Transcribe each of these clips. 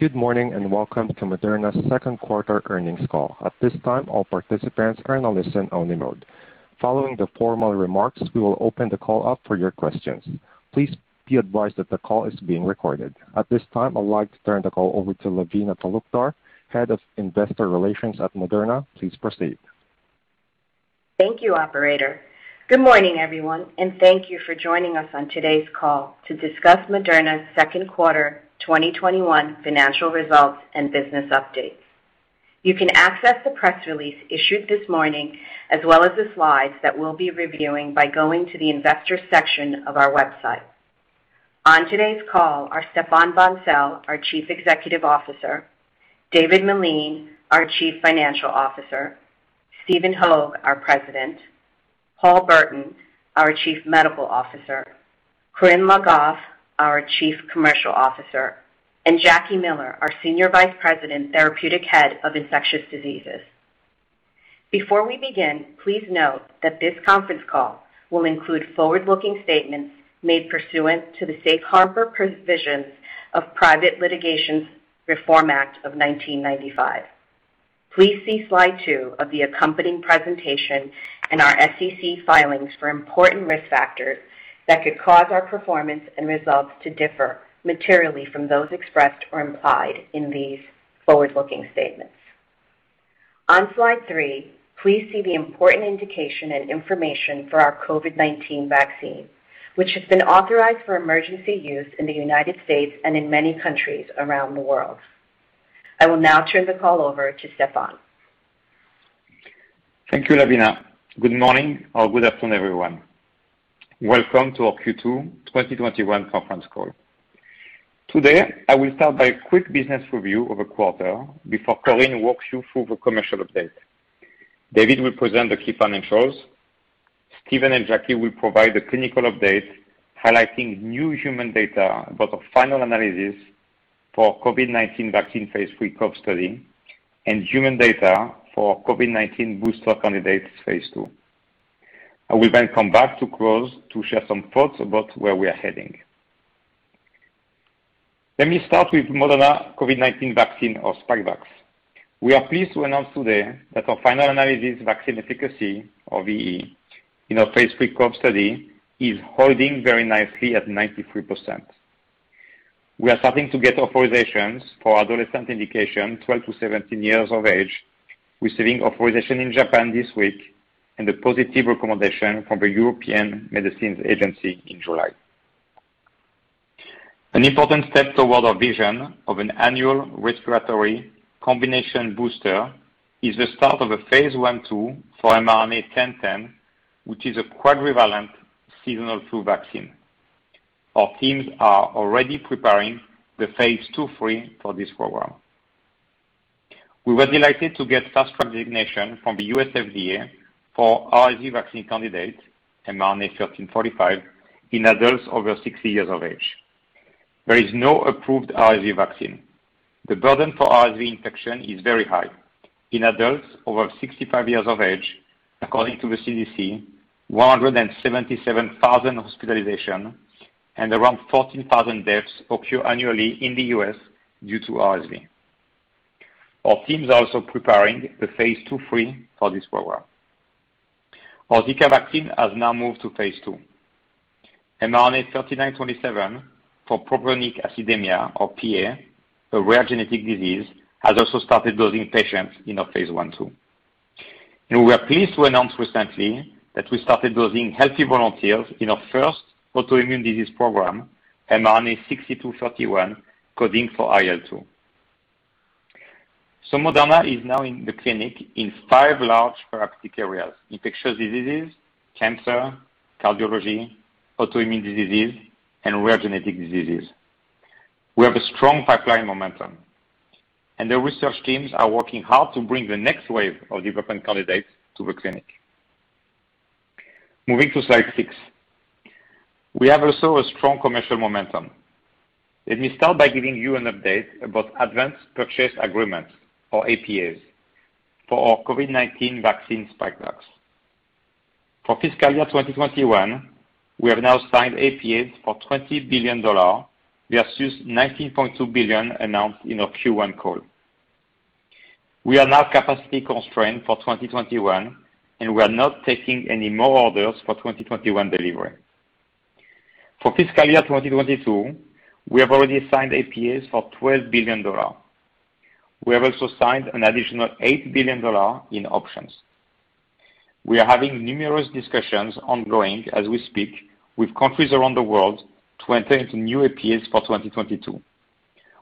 Good morning. Welcome to Moderna's second quarter earnings call. At this time, all participants are in listen-only mode. Following the formal remarks, we will open the call up for your questions. Please be advised that the call is being recorded. At this time, I'd like to turn the call over to Lavina Talukdar, Head of Investor Relations at Moderna. Please proceed. Thank you, operator. Good morning, everyone, and thank you for joining us on today's call to discuss Moderna's Second Quarter 2021 Financial Results and Business Updates. You can access the press release issued this morning, as well as the slides that we'll be reviewing, by going to the investor section of our website. On today's call are Stéphane Bancel, our Chief Executive Officer; David Meline, our Chief Financial Officer; Stephen Hoge, our President; Paul Burton, our Chief Medical Officer; Corinne Le Goff, our Chief Commercial Officer; and Jackie Miller, our Senior Vice President, Therapeutic Head of Infectious Diseases. Before we begin, please note that this conference call will include forward-looking statements made pursuant to the Safe Harbor Provisions of Private Securities Litigation Reform Act of 1995. Please see slide two of the accompanying presentation in our SEC filings for important risk factors that could cause our performance and results to differ materially from those expressed or implied in these forward-looking statements. On slide three, please see the important indication and information for our COVID-19 vaccine, which has been authorized for emergency use in the United States and in many countries around the world. I will now turn the call over to Stéphane. Thank you, Lavina. Good morning or good afternoon, everyone. Welcome to our Q2 2021 conference call. Today, I will start by a quick business review of the quarter before Corinne walks you through the commercial update. David will present the key financials. Stephen and Jackie will provide the clinical update, highlighting new human data about the final analysis for COVID-19 vaccine phase III COVE study and human data for COVID-19 booster candidate phase II. I will come back to close to share some thoughts about where we are heading. Let me start with Moderna COVID-19 vaccine or Spikevax. We are pleased to announce today that our final analysis vaccine efficacy, or VE, in our phase III COVE study is holding very nicely at 93%. We are starting to get authorizations for adolescent indication 12-17 years of age, receiving authorization in Japan this week and a positive recommendation from the European Medicines Agency in July. An important step toward our vision of an annual respiratory combination booster is the start of a phase I/II for mRNA-1010, which is a quadrivalent seasonal flu vaccine. Our teams are already preparing the phase II/III for this program. We were delighted to get fast track designation from the U.S. FDA for RSV vaccine candidate, mRNA-1345, in adults over 60 years of age. There is no approved RSV vaccine. The burden for RSV infection is very high. In adults over 65 years of age, according to the CDC, 177,000 hospitalizations and around 14,000 deaths occur annually in the U.S. due to RSV. Our teams are also preparing the phase II/III for this program. Our Zika vaccine has now moved to phase II. mRNA-3927 for propionic acidemia, or PA, a rare genetic disease, has also started dosing patients in our phase I/II. We are pleased to announce recently that we started dosing healthy volunteers in our first autoimmune disease program, mRNA-6231, coding for IL-2. Moderna is now in the clinic in five large therapeutic areas: infectious diseases, cancer, cardiology, autoimmune disease, and rare genetic diseases. We have a strong pipeline momentum, and the research teams are working hard to bring the next wave of development candidates to the clinic. Moving to slide six. We have also a strong commercial momentum. Let me start by giving you an update about Advanced Purchase Agreements, or APAs, for our COVID-19 vaccine Spikevax. For fiscal year 2021, we have now signed APAs for $20 billion versus $19.2 billion announced in our Q1 call. We are now capacity constrained for 2021, and we are not taking any more orders for 2021 delivery. For fiscal year 2022, we have already signed APAs for $12 billion. We have also signed an additional $8 billion in options. We are having numerous discussions ongoing as we speak with countries around the world to enter into new APAs for 2022.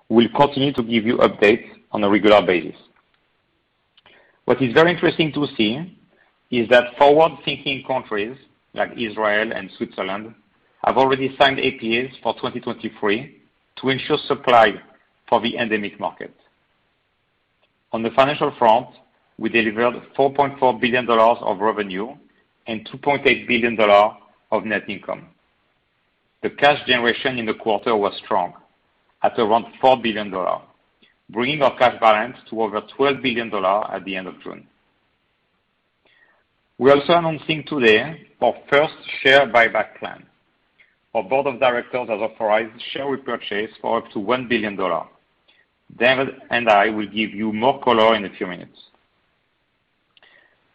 We'll continue to give you updates on a regular basis. What is very interesting to see is that forward-thinking countries like Israel and Switzerland have already signed APAs for 2023 to ensure supply for the endemic market. On the financial front, we delivered $4.4 billion of revenue and $2.8 billion of net income. The cash generation in the quarter was strong at around $4 billion, bringing our cash balance to over $12 billion at the end of June. We're also announcing today our first share buyback plan. Our board of directors has authorized share repurchase for up to $1 billion. David and I will give you more color in a few minutes.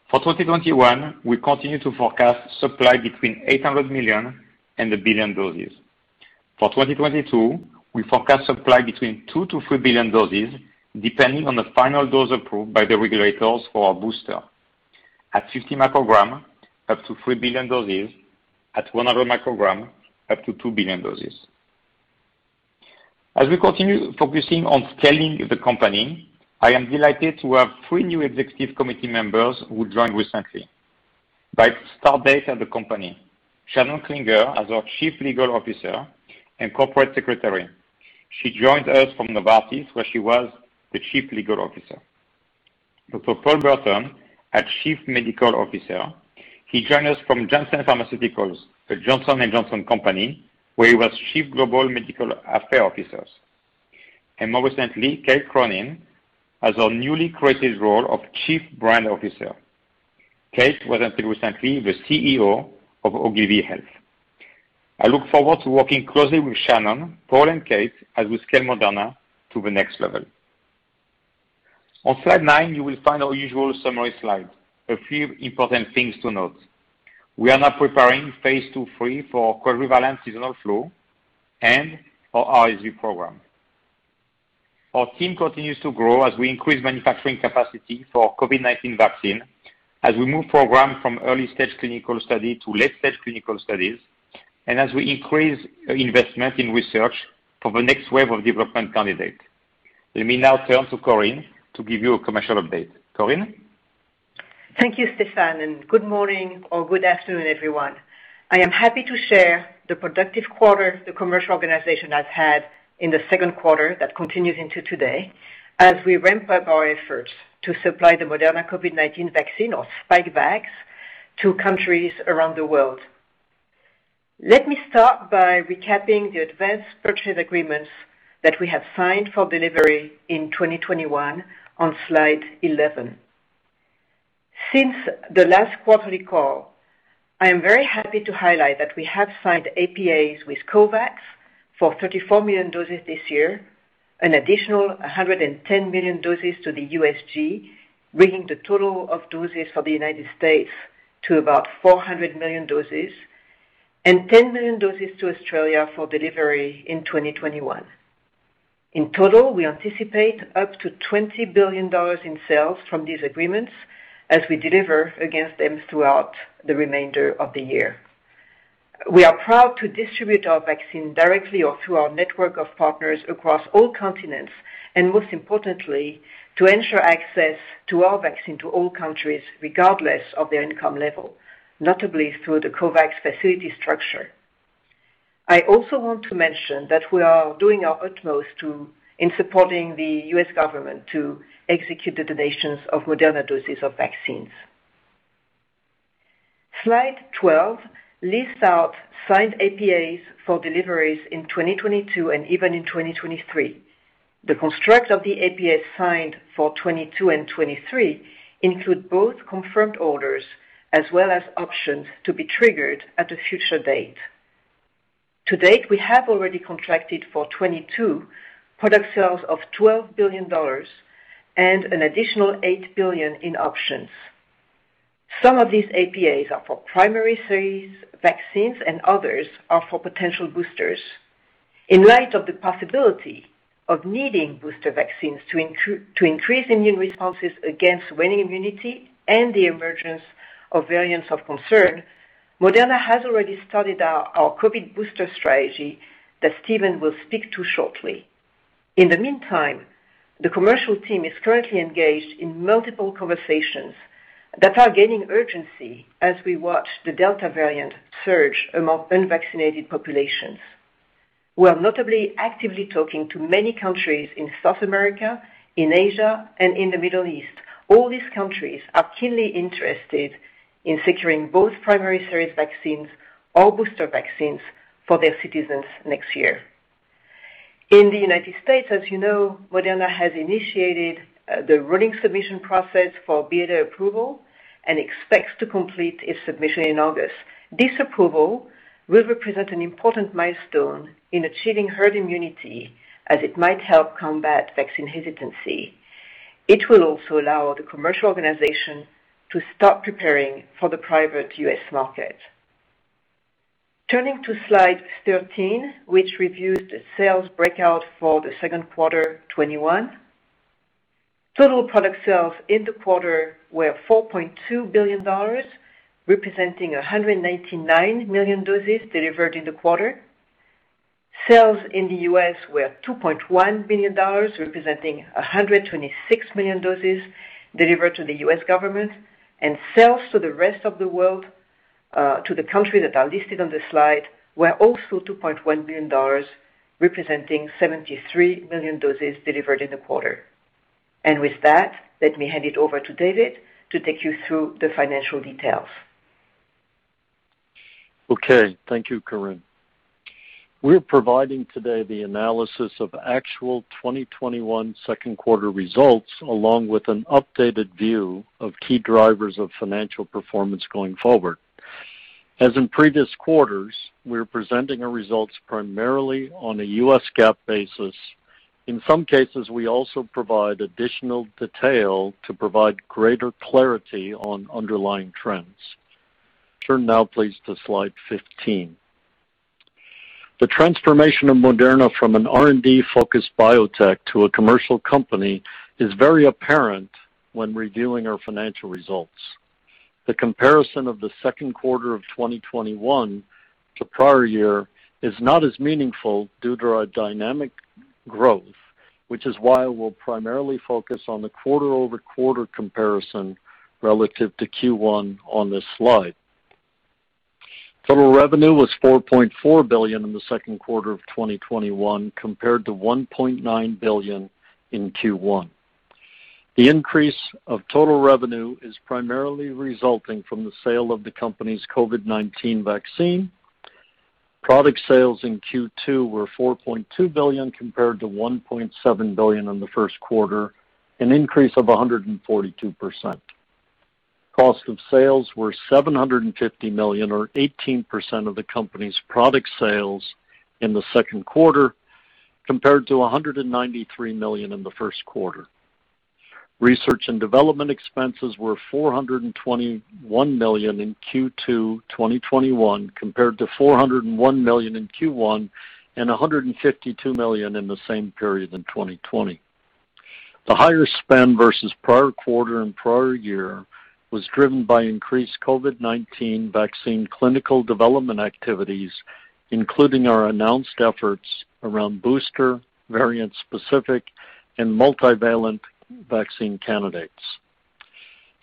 For 2021, we continue to forecast supply between 800 million and 1 billion doses. For 2022, we forecast supply between 2 billion-3 billion doses, depending on the final dose approved by the regulators for our booster. At 50 microgram, up to 3 billion doses. At 100 microgram, up to 2 billion doses. As we continue focusing on scaling the company, I am delighted to have three new executive committee members who joined recently. By start date at the company, Shannon Klinger as our Chief Legal Officer and Corporate Secretary. She joined us from Novartis, where she was the Chief Legal Officer. Dr. Paul Burton, our Chief Medical Officer. He joined us from Janssen Pharmaceuticals, a Johnson & Johnson company, where he was Chief Global Medical Affairs Officer. More recently, Kate Cronin as our newly created role of Chief Brand Officer. Kate was until recently the CEO of Ogilvy Health. I look forward to working closely with Shannon, Paul, and Kate as we scale Moderna to the next level. On slide nine, you will find our usual summary slide. A few important things to note. We are now preparing phase II/III for quadrivalent seasonal flu and our RSV program. Our team continues to grow as we increase manufacturing capacity for our COVID-19 vaccine, as we move programs from early-stage clinical study to late-stage clinical studies, and as we increase investment in research for the next wave of development candidates. Let me now turn to Corinne to give you a commercial update. Corinne? Thank you, Stéphane, and good morning or good afternoon, everyone. I am happy to share the productive quarter the commercial organization has had in the second quarter that continues into today as we ramp up our efforts to supply the Moderna COVID-19 vaccine, or Spikevax, to countries around the world. Let me start by recapping the advanced purchase agreements that we have signed for delivery in 2021 on slide 11. Since the last quarterly call, I am very happy to highlight that we have signed APAs with COVAX for 34 million doses this year, an additional 110 million doses to the USG, bringing the total of doses for the United States to about 400 million doses, and 10 million doses to Australia for delivery in 2021. In total, we anticipate up to $20 billion in sales from these agreements as we deliver against them throughout the remainder of the year. We are proud to distribute our vaccine directly or through our network of partners across all continents, and most importantly, to ensure access to our vaccine to all countries, regardless of their income level, notably through the COVAX facility structure. I also want to mention that we are doing our utmost in supporting the U.S. government to execute the donations of Moderna doses of vaccines. Slide 12 lists out signed APAs for deliveries in 2022 and even in 2023. The construct of the APAs signed for 2022 and 2023 include both confirmed orders as well as options to be triggered at a future date. To date, we have already contracted for 2022 product sales of $12 billion and an additional $8 billion in options. Some of these APAs are for primary series vaccines and others are for potential boosters. In light of the possibility of needing booster vaccines to increase immune responses against waning immunity and the emergence of variants of concern, Moderna has already started our COVID booster strategy that Stephen will speak to shortly. In the meantime, the commercial team is currently engaged in multiple conversations that are gaining urgency as we watch the Delta variant surge among unvaccinated populations. We are notably actively talking to many countries in South America, in Asia, and in the Middle East. All these countries are keenly interested in securing both primary series vaccines or booster vaccines for their citizens next year. In the United States, as you know, Moderna has initiated the rolling submission process for BLA approval and expects to complete its submission in August. This approval will represent an important milestone in achieving herd immunity as it might help combat vaccine hesitancy. It will also allow the commercial organization to start preparing for the private U.S. market. Turning to slide 13, which reviews the sales breakout for the second quarter 2021. Total product sales in the quarter were $4.2 billion, representing 199 million doses delivered in the quarter. Sales in the U.S. were $2.1 billion, representing 126 million doses delivered to the U.S. government. Sales to the rest of the world, to the countries that are listed on this slide, were also $2.1 billion, representing 73 million doses delivered in the quarter. With that, let me hand it over to David to take you through the financial details. Okay. Thank you, Corinne. We're providing today the analysis of actual 2021 second quarter results, along with an updated view of key drivers of financial performance going forward. As in previous quarters, we're presenting our results primarily on a U.S. GAAP basis. In some cases, we also provide additional detail to provide greater clarity on underlying trends. Turn now please to slide 15. The transformation of Moderna from an R&D focused biotech to a commercial company is very apparent when reviewing our financial results. The comparison of the second quarter of 2021 to prior year is not as meaningful due to our dynamic growth, which is why we'll primarily focus on the quarter-over-quarter comparison relative to Q1 on this slide. Total revenue was $4.4 billion in the second quarter of 2021, compared to $1.9 billion in Q1. The increase of total revenue is primarily resulting from the sale of the company's COVID-19 vaccine. Product sales in Q2 were $4.2 billion compared to $1.7 billion in the first quarter, an increase of 142%. Cost of sales were $750 million, or 18% of the company's product sales in the second quarter, compared to $193 million in the first quarter. Research and development expenses were $421 million in Q2 2021, compared to $401 million in Q1, and $152 million in the same period in 2020. The higher spend versus prior quarter and prior year was driven by increased COVID-19 vaccine clinical development activities, including our announced efforts around booster, variant specific, and multivalent vaccine candidates.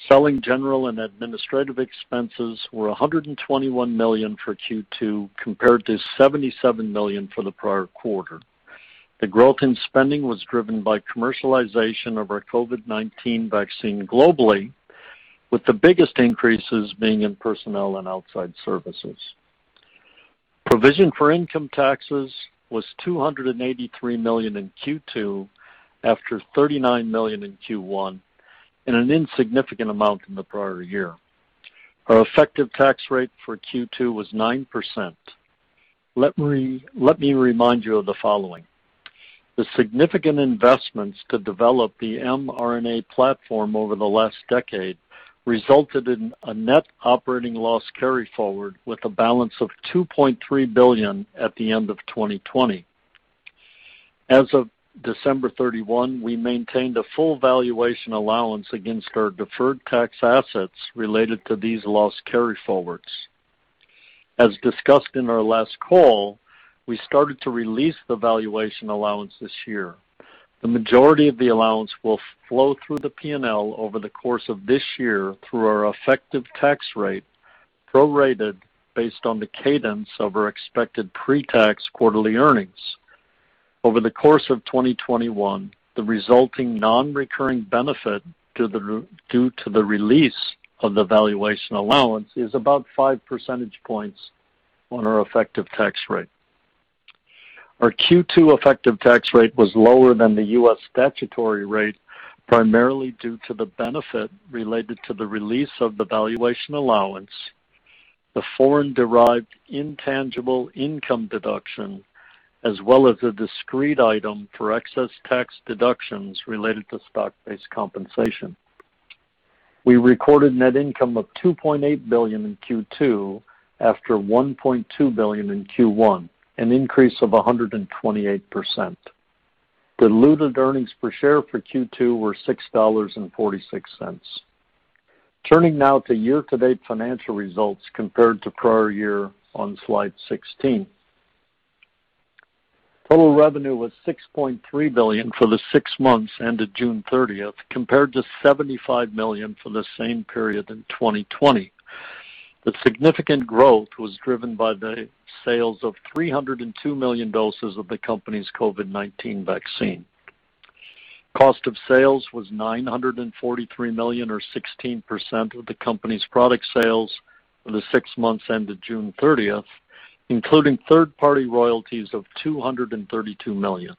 Selling general and administrative expenses were $121 million for Q2 compared to $77 million for the prior quarter. The growth in spending was driven by commercialization of our COVID-19 vaccine globally, with the biggest increases being in personnel and outside services. Provision for income taxes was $283 million in Q2 after $39 million in Q1, and an insignificant amount in the prior year. Our effective tax rate for Q2 was 9%. Let me remind you of the following. The significant investments to develop the mRNA platform over the last decade resulted in a net operating loss carry-forward with a balance of $2.3 billion at the end of 2020. As of December 31, we maintained a full valuation allowance against our deferred tax assets related to these loss carry-forwards. As discussed in our last call, we started to release the valuation allowance this year. The majority of the allowance will flow through the P&L over the course of this year through our effective tax rate, prorated based on the cadence of our expected pre-tax quarterly earnings. Over the course of 2021, the resulting non-recurring benefit due to the release of the valuation allowance is about five percentage points on our effective tax rate. Our Q2 effective tax rate was lower than the U.S. statutory rate, primarily due to the benefit related to the release of the valuation allowance, the foreign-derived intangible income deduction, as well as a discrete item for excess tax deductions related to stock-based compensation. We recorded net income of $2.8 billion in Q2 after $1.2 billion in Q1, an increase of 128%. Diluted earnings per share for Q2 were $6.46. Turning now to year-to-date financial results compared to prior year on slide 16. Total revenue was $6.3 billion for the six months ended June 30th, compared to $75 million for the same period in 2020. The significant growth was driven by the sales of 302 million doses of the company's COVID-19 vaccine. Cost of sales was $943 million, or 16%, of the company's product sales for the six months ended June 30th, including third-party royalties of $232 million.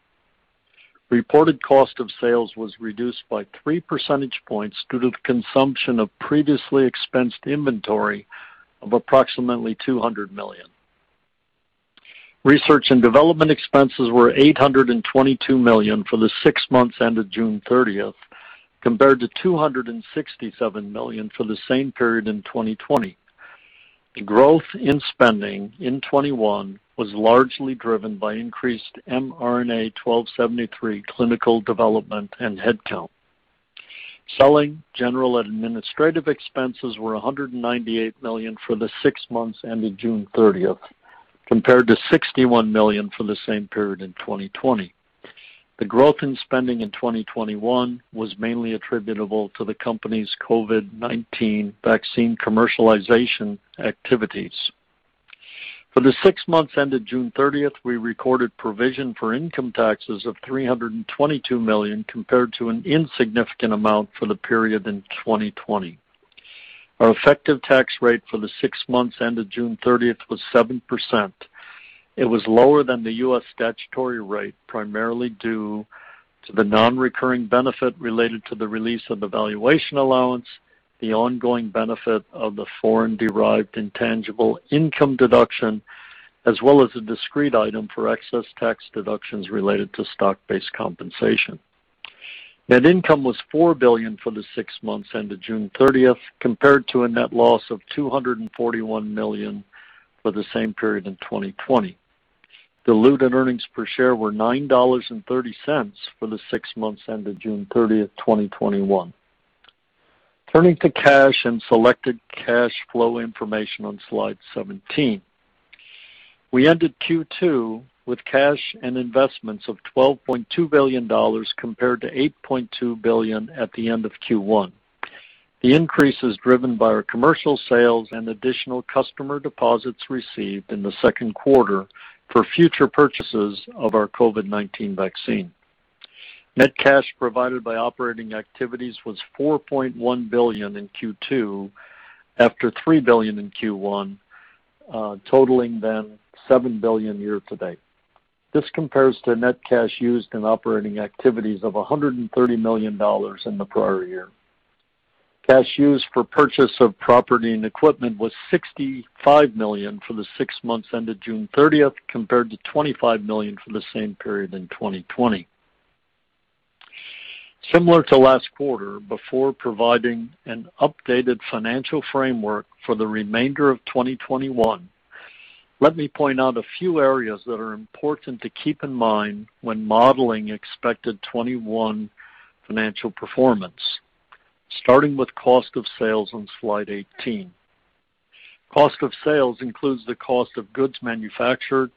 Reported cost of sales was reduced by three percentage points due to the consumption of previously expensed inventory of approximately $200 million. Research and development expenses were $822 million for the six months ended June 30th, compared to $267 million for the same period in 2020. The growth in spending in 2021 was largely driven by increased mRNA-1273 clinical development and headcount. Selling general administrative expenses were $198 million for the six months ended June 30th, compared to $61 million for the same period in 2020. The growth in spending in 2021 was mainly attributable to the company's COVID-19 vaccine commercialization activities. For the six months ended June 30th, we recorded provision for income taxes of $322 million, compared to an insignificant amount for the period in 2020. Our effective tax rate for the six months ended June 30th was 7%. It was lower than the U.S. statutory rate, primarily due to the non-recurring benefit related to the release of the valuation allowance, the ongoing benefit of the foreign-derived intangible income deduction, as well as a discrete item for excess tax deductions related to stock-based compensation. Net income was $4 billion for the six months ended June 30th, compared to a net loss of $241 million for the same period in 2020. Diluted earnings per share were $9.30 for the six months ended June 30th, 2021. Turning to cash and selected cash flow information on slide 17. We ended Q2 with cash and investments of $12.2 billion, compared to $8.2 billion at the end of Q1. The increase is driven by our commercial sales and additional customer deposits received in the second quarter for future purchases of our COVID-19 vaccine. Net cash provided by operating activities was $4.1 billion in Q2 after $3 billion in Q1, totaling $7 billion year to date. This compares to net cash used in operating activities of $130 million in the prior year. Cash used for purchase of property and equipment was $65 million for the six months ended June 30th, compared to $25 million for the same period in 2020. Similar to last quarter, before providing an updated financial framework for the remainder of 2021, let me point out a few areas that are important to keep in mind when modeling expected 2021 financial performance, starting with cost of sales on slide 18. Cost of sales includes the cost of goods manufactured,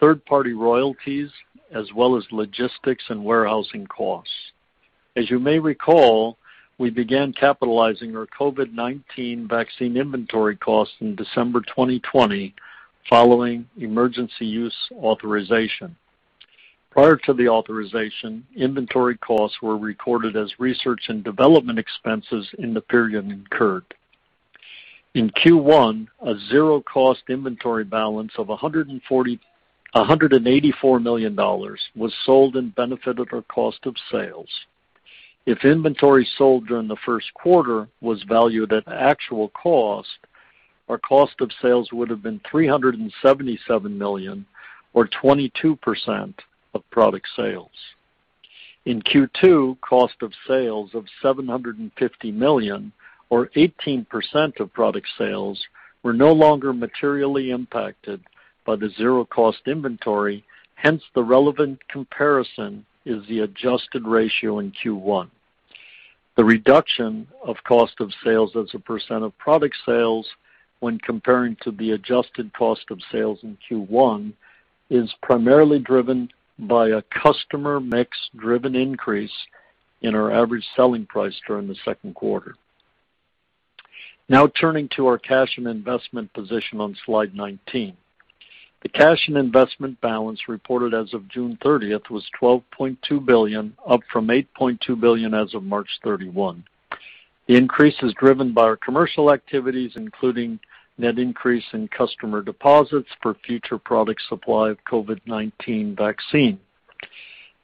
third-party royalties, as well as logistics and warehousing costs. You may recall, we began capitalizing our COVID-19 vaccine inventory costs in December 2020, following emergency use authorization. Prior to the authorization, inventory costs were recorded as research and development expenses in the period incurred. In Q1, a zero cost inventory balance of $184 million was sold and benefited our cost of sales. If inventory sold during the first quarter was valued at actual cost, our cost of sales would've been $377 million or 22% of product sales. In Q2, cost of sales of $750 million, or 18% of product sales, were no longer materially impacted by the zero cost inventory, hence the relevant comparison is the adjusted ratio in Q1. The reduction of cost of sales as a percent of product sales when comparing to the adjusted cost of sales in Q1 is primarily driven by a customer mix-driven increase in our average selling price during the second quarter. Turning to our cash and investment position on slide 19. The cash and investment balance reported as of June 30th was $12.2 billion, up from $8.2 billion as of March 31. The increase is driven by our commercial activities, including net increase in customer deposits for future product supply of COVID-19 vaccine.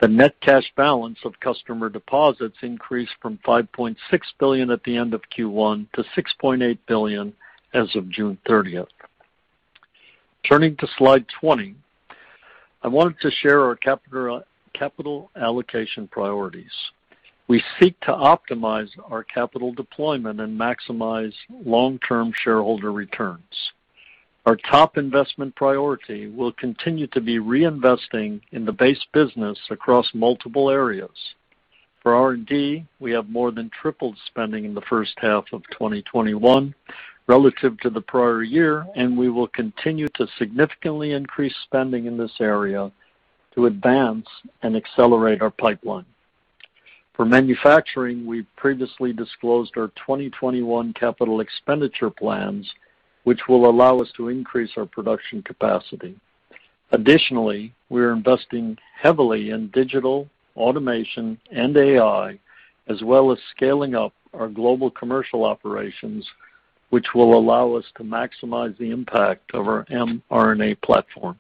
The net cash balance of customer deposits increased from $5.6 billion at the end of Q1 to $6.8 billion as of June 30th. Turning to slide 20, I wanted to share our capital allocation priorities. We seek to optimize our capital deployment and maximize long-term shareholder returns. Our top investment priority will continue to be reinvesting in the base business across multiple areas. For R&D, we have more than tripled spending in the first half of 2021 relative to the prior year, and we will continue to significantly increase spending in this area to advance and accelerate our pipeline. For manufacturing, we previously disclosed our 2021 capital expenditure plans, which will allow us to increase our production capacity. Additionally, we're investing heavily in digital, automation, and AI, as well as scaling up our global commercial operations, which will allow us to maximize the impact of our mRNA platform.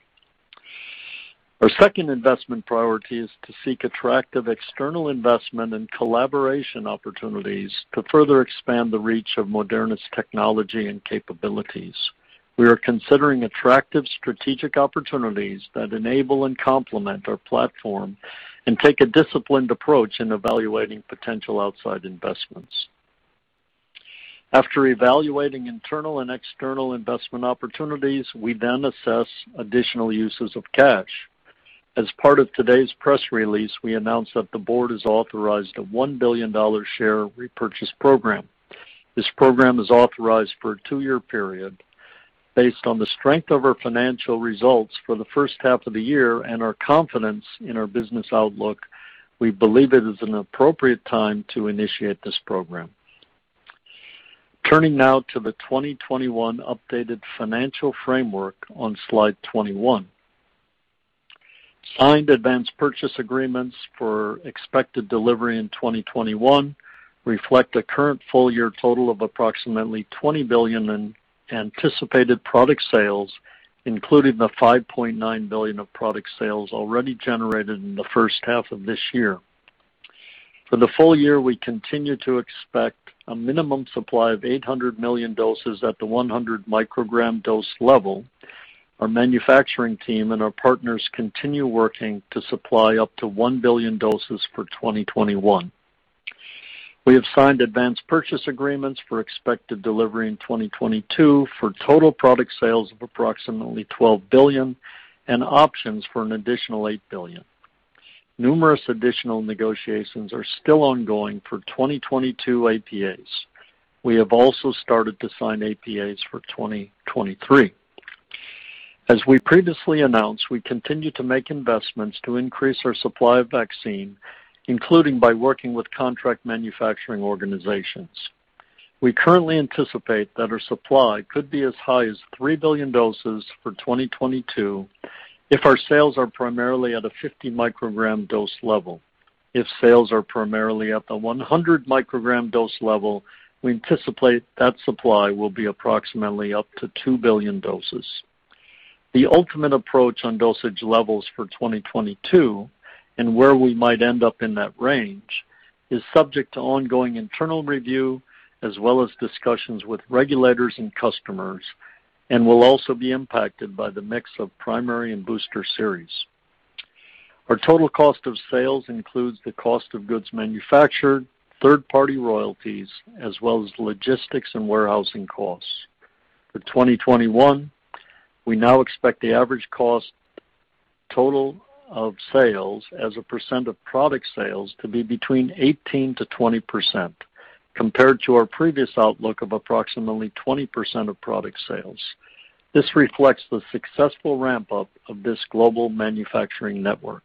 Our second investment priority is to seek attractive external investment and collaboration opportunities to further expand the reach of Moderna's technology and capabilities. We are considering attractive strategic opportunities that enable and complement our platform and take a disciplined approach in evaluating potential outside investments. After evaluating internal and external investment opportunities, we then assess additional uses of cash. As part of today's press release, we announced that the board has authorized a $1 billion share repurchase program. This program is authorized for a two-year period. Based on the strength of our financial results for the first half of the year and our confidence in our business outlook, we believe it is an appropriate time to initiate this program. Turning now to the 2021 updated financial framework on slide 21. Signed advance purchase agreements for expected delivery in 2021 reflect a current full-year total of approximately $20 billion in anticipated product sales, including the $5.9 billion of product sales already generated in the first half of this year. For the full year, we continue to expect a minimum supply of 800 million doses at the 100 microgram dose level. Our manufacturing team and our partners continue working to supply up to 1 billion doses for 2021. We have signed advance purchase agreements for expected delivery in 2022 for total product sales of approximately $12 billion and options for an additional $8 billion. Numerous additional negotiations are still ongoing for 2022 APAs. We have also started to sign APAs for 2023. As we previously announced, we continue to make investments to increase our supply of vaccine, including by working with contract manufacturing organizations. We currently anticipate that our supply could be as high as 3 billion doses for 2022 if our sales are primarily at a 50 microgram dose level. If sales are primarily at the 100 microgram dose level, we anticipate that supply will be approximately up to 2 billion doses. The ultimate approach on dosage levels for 2022 and where we might end up in that range is subject to ongoing internal review as well as discussions with regulators and customers and will also be impacted by the mix of primary and booster series. Our total cost of sales includes the cost of goods manufactured, third-party royalties, as well as logistics and warehousing costs. For 2021, we now expect the average cost total of sales as a percent of product sales to be between 18%-20%, compared to our previous outlook of approximately 20% of product sales. This reflects the successful ramp-up of this global manufacturing network.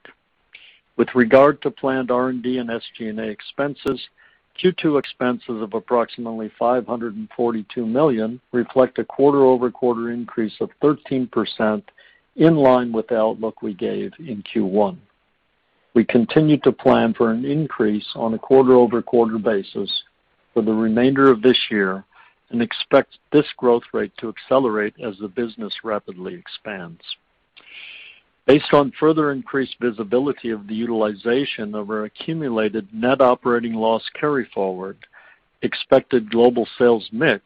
With regard to planned R&D and SG&A expenses, Q2 expenses of approximately $542 million reflect a quarter-over-quarter increase of 13%, in line with the outlook we gave in Q1. We continue to plan for an increase on a quarter-over-quarter basis for the remainder of this year and expect this growth rate to accelerate as the business rapidly expands. Based on further increased visibility of the utilization of our accumulated net operating loss carryforward, expected global sales mix,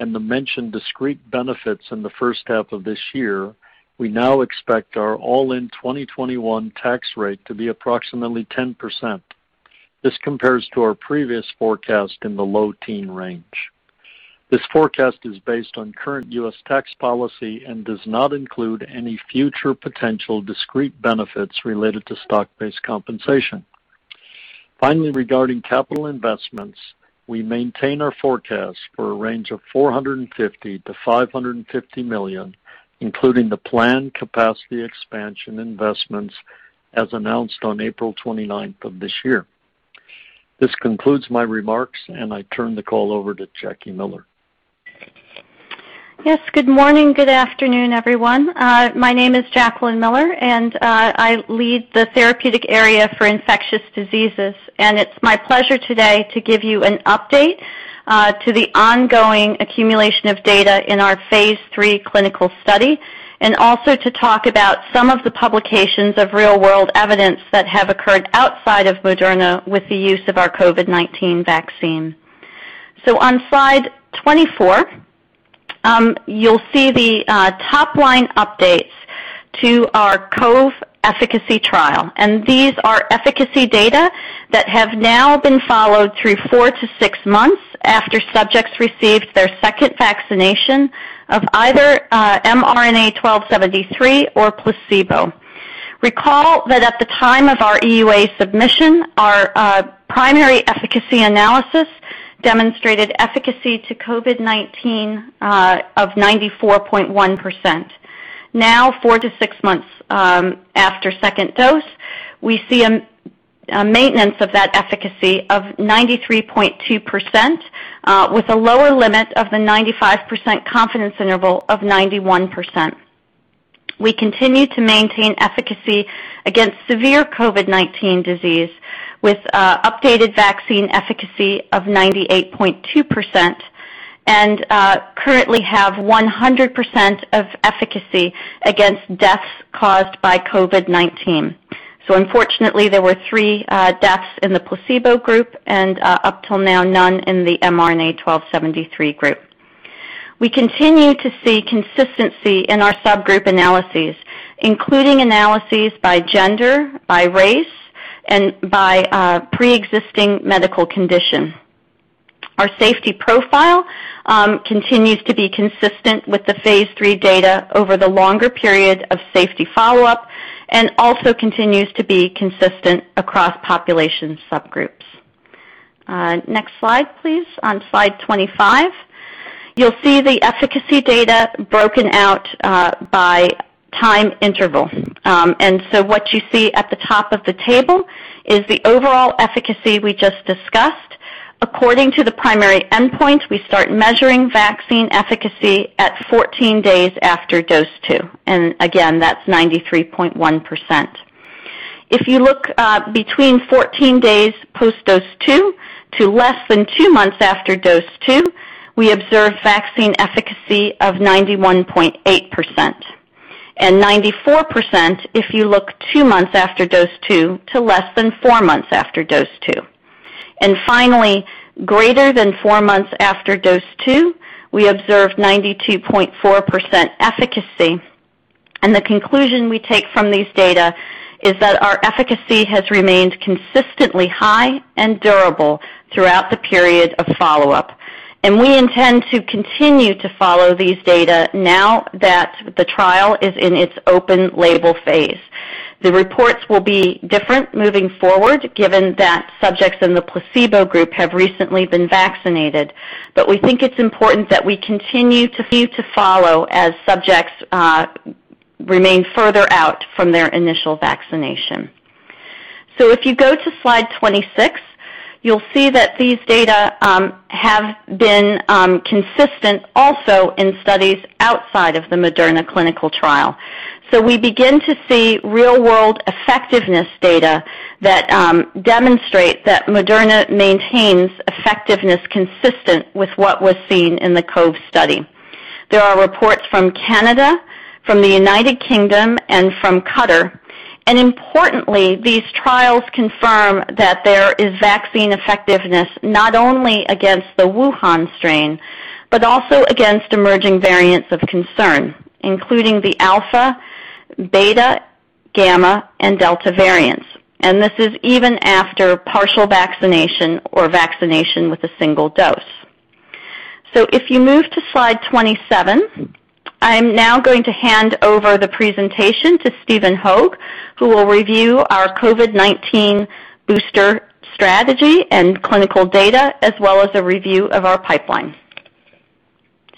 and the mentioned discrete benefits in the first half of this year, we now expect our all-in 2021 tax rate to be approximately 10%. This compares to our previous forecast in the low teen range. This forecast is based on current U.S. tax policy and does not include any future potential discrete benefits related to stock-based compensation. Finally, regarding capital investments, we maintain our forecast for a range of $450 million-$550 million, including the planned capacity expansion investments as announced on April 29th of this year. This concludes my remarks. I turn the call over to Jackie Miller. Yes, good morning, good afternoon, everyone. My name is Jacqueline Miller, and I lead the therapeutic area for infectious diseases, and it's my pleasure today to give you an update to the ongoing accumulation of data in our phase III clinical study and also to talk about some of the publications of real-world evidence that have occurred outside of Moderna with the use of our COVID-19 vaccine. On slide 24, you'll see the top-line updates to our COVE efficacy trial, and these are efficacy data that have now been followed through four to six months after subjects received their second vaccination of either mRNA-1273 or placebo. Recall that at the time of our EUA submission, our primary efficacy analysis demonstrated efficacy to COVID-19 of 94.1%. Now, four to six months after second dose, we see a maintenance of that efficacy of 93.2% with a lower limit of the 95% confidence interval of 91%. We continue to maintain efficacy against severe COVID-19 disease with updated vaccine efficacy of 98.2% and currently have 100% of efficacy against deaths caused by COVID-19. Unfortunately, there were three deaths in the placebo group and up till now, none in the mRNA-1273 group. We continue to see consistency in our subgroup analyses, including analyses by gender, by race, and by preexisting medical condition. Our safety profile continues to be consistent with the phase III data over the longer period of safety follow-up and also continues to be consistent across population subgroups. Next slide, please. On slide 25, you'll see the efficacy data broken out by time interval. What you see at the top of the table is the overall efficacy we just discussed. According to the primary endpoint, we start measuring vaccine efficacy at 14 days after dose two, and again, that's 93.1%. If you look between 14 days post dose two to less than two months after dose two, we observe vaccine efficacy of 91.8%, and 94% if you look two months after dose two to less than four months after dose two. Finally, greater than four months after dose two, we observe 92.4% efficacy. The conclusion we take from these data is that our efficacy has remained consistently high and durable throughout the period of follow-up. We intend to continue to follow these data now that the trial is in its open-label phase. The reports will be different moving forward, given that subjects in the placebo group have recently been vaccinated. We think it's important that we continue to follow as subjects remain further out from their initial vaccination. If you go to slide 26, you'll see that these data have been consistent also in studies outside of the Moderna clinical trial. We begin to see real-world effectiveness data that demonstrate that Moderna maintains effectiveness consistent with what was seen in the COVE study. There are reports from Canada, from the United Kingdom, and from Qatar. Importantly, these trials confirm that there is vaccine effectiveness not only against the Wuhan strain, but also against emerging variants of concern, including the Alpha, Beta, Gamma, and Delta variants, and this is even after partial vaccination or vaccination with a single dose. If you move to slide 27, I am now going to hand over the presentation to Stephen Hoge, who will review our COVID-19 booster strategy and clinical data, as well as a review of our pipeline.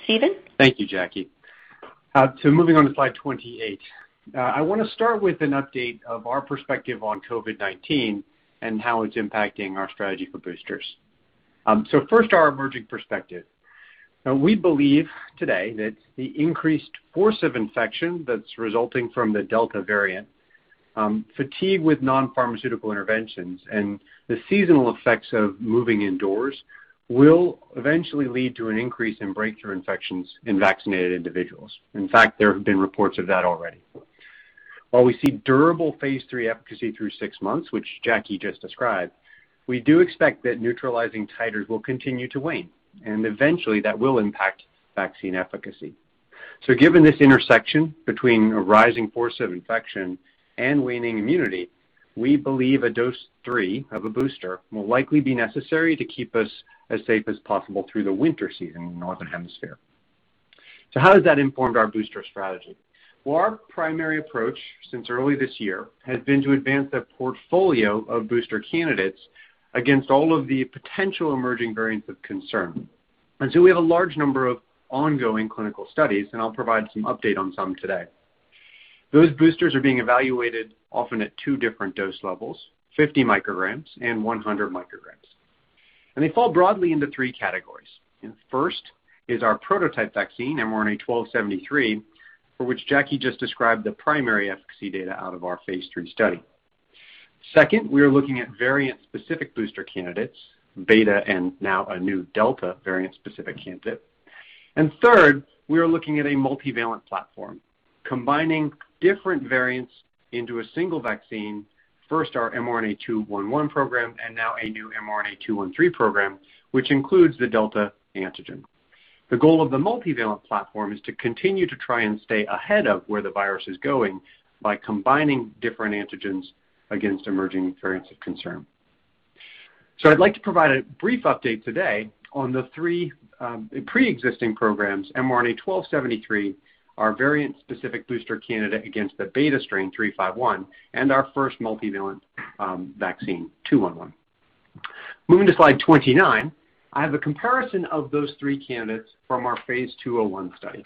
Stephen? Thank you, Jackie. Moving on to slide 28, I want to start with an update of our perspective on COVID-19 and how it's impacting our strategy for boosters. First, our emerging perspective. We believe today that the increased force of infection that's resulting from the Delta variant, fatigue with non-pharmaceutical interventions, and the seasonal effects of moving indoors will eventually lead to an increase in breakthrough infections in vaccinated individuals. In fact, there have been reports of that already. While we see durable phase III efficacy through six months, which Jackie just described, we do expect that neutralizing titers will continue to wane, and eventually, that will impact vaccine efficacy. Given this intersection between a rising force of infection and waning immunity, we believe a dose three of a booster will likely be necessary to keep us as safe as possible through the winter season in the northern hemisphere. How has that informed our booster strategy? Our primary approach since early this year has been to advance a portfolio of booster candidates against all of the potential emerging variants of concern. We have a large number of ongoing clinical studies, and I'll provide some update on some today. Those boosters are being evaluated often at two different dose levels, 50 micrograms and 100 micrograms. They fall broadly into three categories. First is our prototype vaccine, mRNA-1273, for which Jackie just described the primary efficacy data out of our phase III study. We are looking at variant-specific booster candidates, Beta and now a new Delta variant-specific candidate. Third, we are looking at a multivalent platform combining different variants into a single vaccine. First, our mRNA-211 program, and now a new mRNA-213 program, which includes the Delta antigen. The goal of the multivalent platform is to continue to try and stay ahead of where the virus is going by combining different antigens against emerging variants of concern. I'd like to provide a brief update today on the three pre-existing programs, mRNA-1273, our variant-specific booster candidate against the Beta strain 351, and our first multivalent vaccine, mRNA-1273.211. Moving to slide 29, I have a comparison of those three candidates from our P201 study.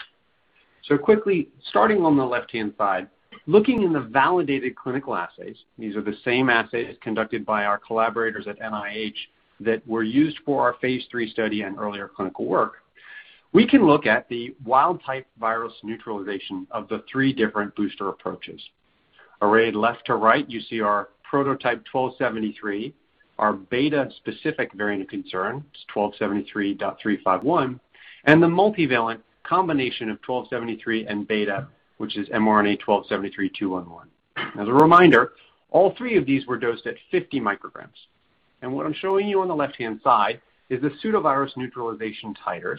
Quickly starting on the left-hand side, looking in the validated clinical assays, these are the same assays conducted by our collaborators at NIH that were used for our phase III study and earlier clinical work. We can look at the wild type virus neutralization of the three different booster approaches. Arrayed left to right, you see our prototype mRNA-1273, our Beta specific variant of concern, it's mRNA-1273.351, and the multivalent combination of mRNA-1273 and Beta, which is mRNA-1273.211. As a reminder, all three of these were dosed at 50 micrograms. What I'm showing you on the left-hand side is the pseudovirus neutralization titers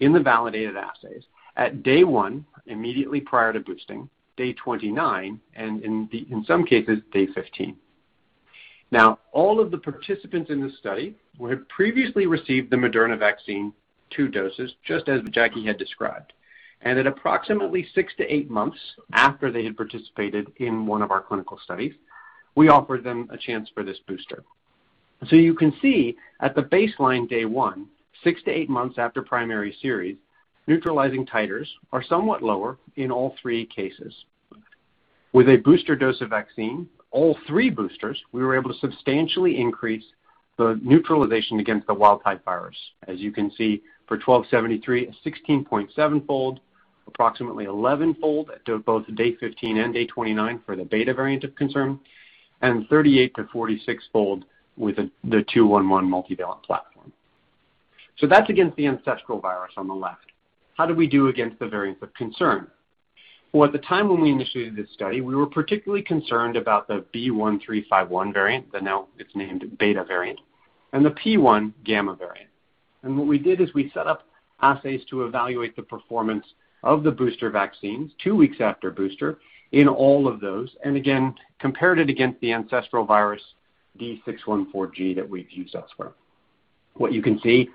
in the validated assays at day one, immediately prior to boosting, day 29, and in some cases, day 15. Now, all of the participants in this study would have previously received the Moderna vaccine, two doses, just as Jackie had described. At approximately six to eight months after they had participated in one of our clinical studies, we offered them a chance for this booster. You can see at the baseline day one, six to eight months after primary series, neutralizing titers are somewhat lower in all three cases. With a booster dose of vaccine, all three boosters, we were able to substantially increase the neutralization against the wild type virus. As you can see, for mRNA-1273, a 16.7-fold, approximately 11-fold at both day 15 and day 29 for the Beta variant of concern, and 38- to 46-fold with the mRNA-1273.211 multivalent platform. That's against the ancestral virus on the left. How did we do against the variants of concern? At the time when we initiated this study, we were particularly concerned about the B.1.351 variant, that now it's named Beta variant, and the P.1 Gamma variant. What we did is we set up assays to evaluate the performance of the booster vaccines two weeks after booster in all of those, and again, compared it against the ancestral virus D614G that we've used thus far. What you can see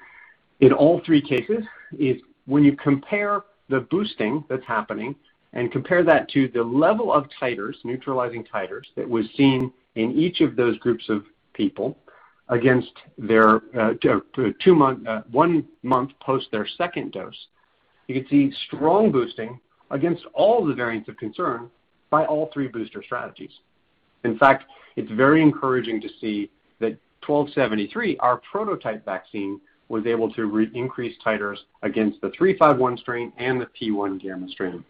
in all three cases is when you compare the boosting that's happening and compare that to the level of titers, neutralizing titers, that was seen in each of those groups of people against their one month post their second dose, you can see strong boosting against all the variants of concern by all three booster strategies. In fact, it's very encouraging to see that mRNA-1273, our prototype vaccine, was able to increase titers against the 351 strain and the P.1 Gamma strain.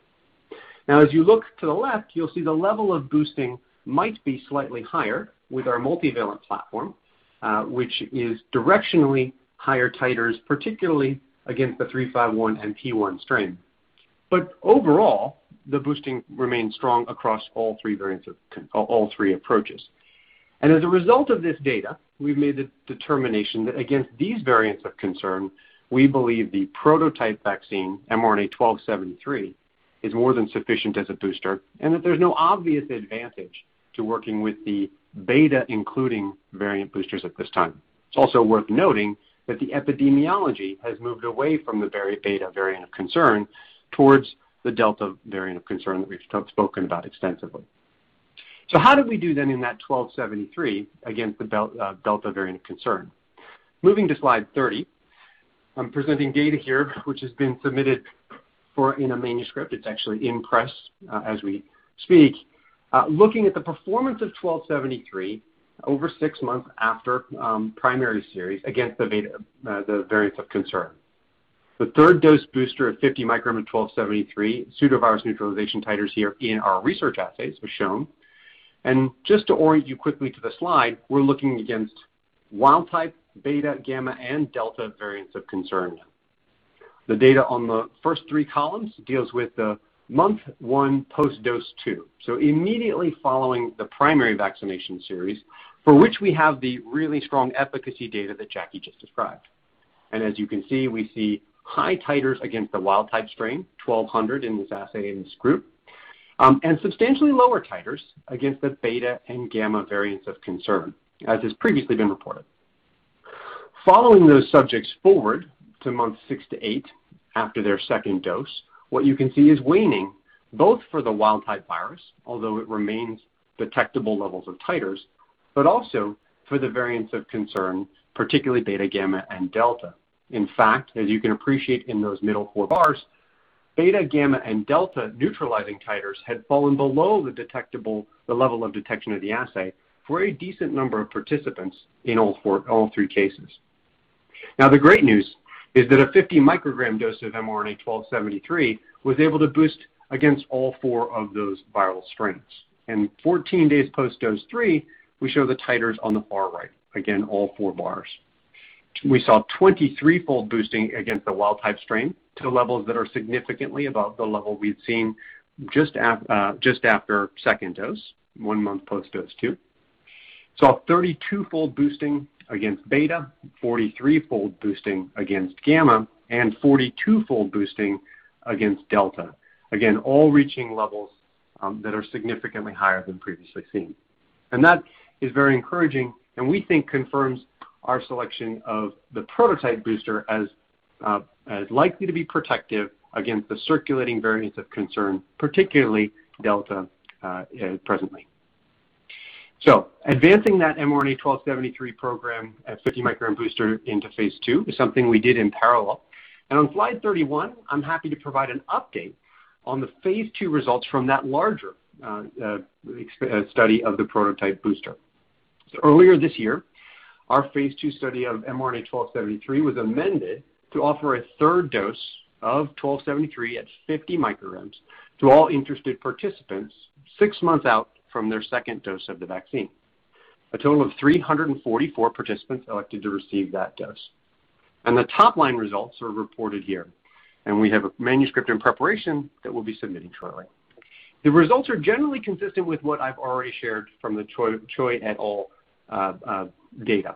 As you look to the left, you'll see the level of boosting might be slightly higher with our multivalent platform, which is directionally higher titers, particularly against the 351 and P.1 strain. Overall, the boosting remains strong across all three approaches. As a result of this data, we've made the determination that against these variants of concern, we believe the prototype vaccine, mRNA-1273, is more than sufficient as a booster and that there's no obvious advantage to working with the Beta, including variant boosters at this time. It's also worth noting that the epidemiology has moved away from the Beta variant of concern towards the Delta variant of concern that we've spoken about extensively. How did we do then in that mRNA-1273 against the Delta variant of concern? Moving to slide 30, I'm presenting data here which has been submitted in a manuscript. It's actually in press as we speak. Looking at the performance of mRNA-1273 over six months after primary series against the variants of concern. The third dose booster of 50 microgram of mRNA-1273 pseudovirus neutralization titers here in our research assays was shown. Just to orient you quickly to the slide, we're looking against wild-type Beta, Gamma, and Delta variants of concern. The data on the first three columns deals with the month one post dose two. Immediately following the primary vaccination series, for which we have the really strong efficacy data that Jackie just described. As you can see, we see high titers against the wild-type strain, 1,200 in this assay in this group, and substantially lower titers against the Beta and Gamma variants of concern, as has previously been reported. Following those subjects forward to month six to eight after their second dose, what you can see is waning, both for the wild type virus, although it remains detectable levels of titers, but also for the variants of concern, particularly Beta, Gamma, and Delta. In fact, as you can appreciate in those middle four bars, Beta, Gamma, and Delta neutralizing titers had fallen below the level of detection of the assay for a decent number of participants in all three cases. The great news is that a 50 microgram dose of mRNA-1273 was able to boost against all four of those viral strains. 14 days post dose three, we show the titers on the far right. Again, all four bars. We saw 23-fold boosting against the wild type strain to levels that are significantly above the level we'd seen just after second dose, one month post dose two. Saw 32-fold boosting against Beta, 43-fold boosting against Gamma, and 42-fold boosting against Delta. Again, all reaching levels that are significantly higher than previously seen. That is very encouraging and we think confirms our selection of the prototype booster as likely to be protective against the circulating variants of concern, particularly Delta presently. Advancing that mRNA-1273 program at 50 microgram booster into phase II is something we did in parallel. On slide 31, I'm happy to provide an update on the phase II results from that larger study of the prototype booster. Earlier this year, our phase II study of mRNA-1273 was amended to offer a third dose of mRNA-1273 at 50 micrograms to all interested participants six months out from their second dose of the vaccine. A total of 344 participants elected to receive that dose. The top-line results are reported here, and we have a manuscript in preparation that we'll be submitting shortly. The results are generally consistent with what I've already shared from the Choi et al. data.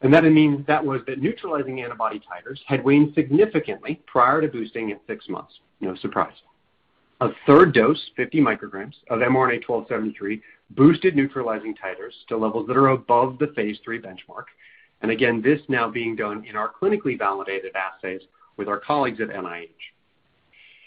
That was that neutralizing antibody titers had waned significantly prior to boosting at six months. No surprise. A third dose, 50 micrograms, of mRNA-1273 boosted neutralizing titers to levels that are above the phase III benchmark. Again, this now being done in our clinically validated assays with our colleagues at NIH.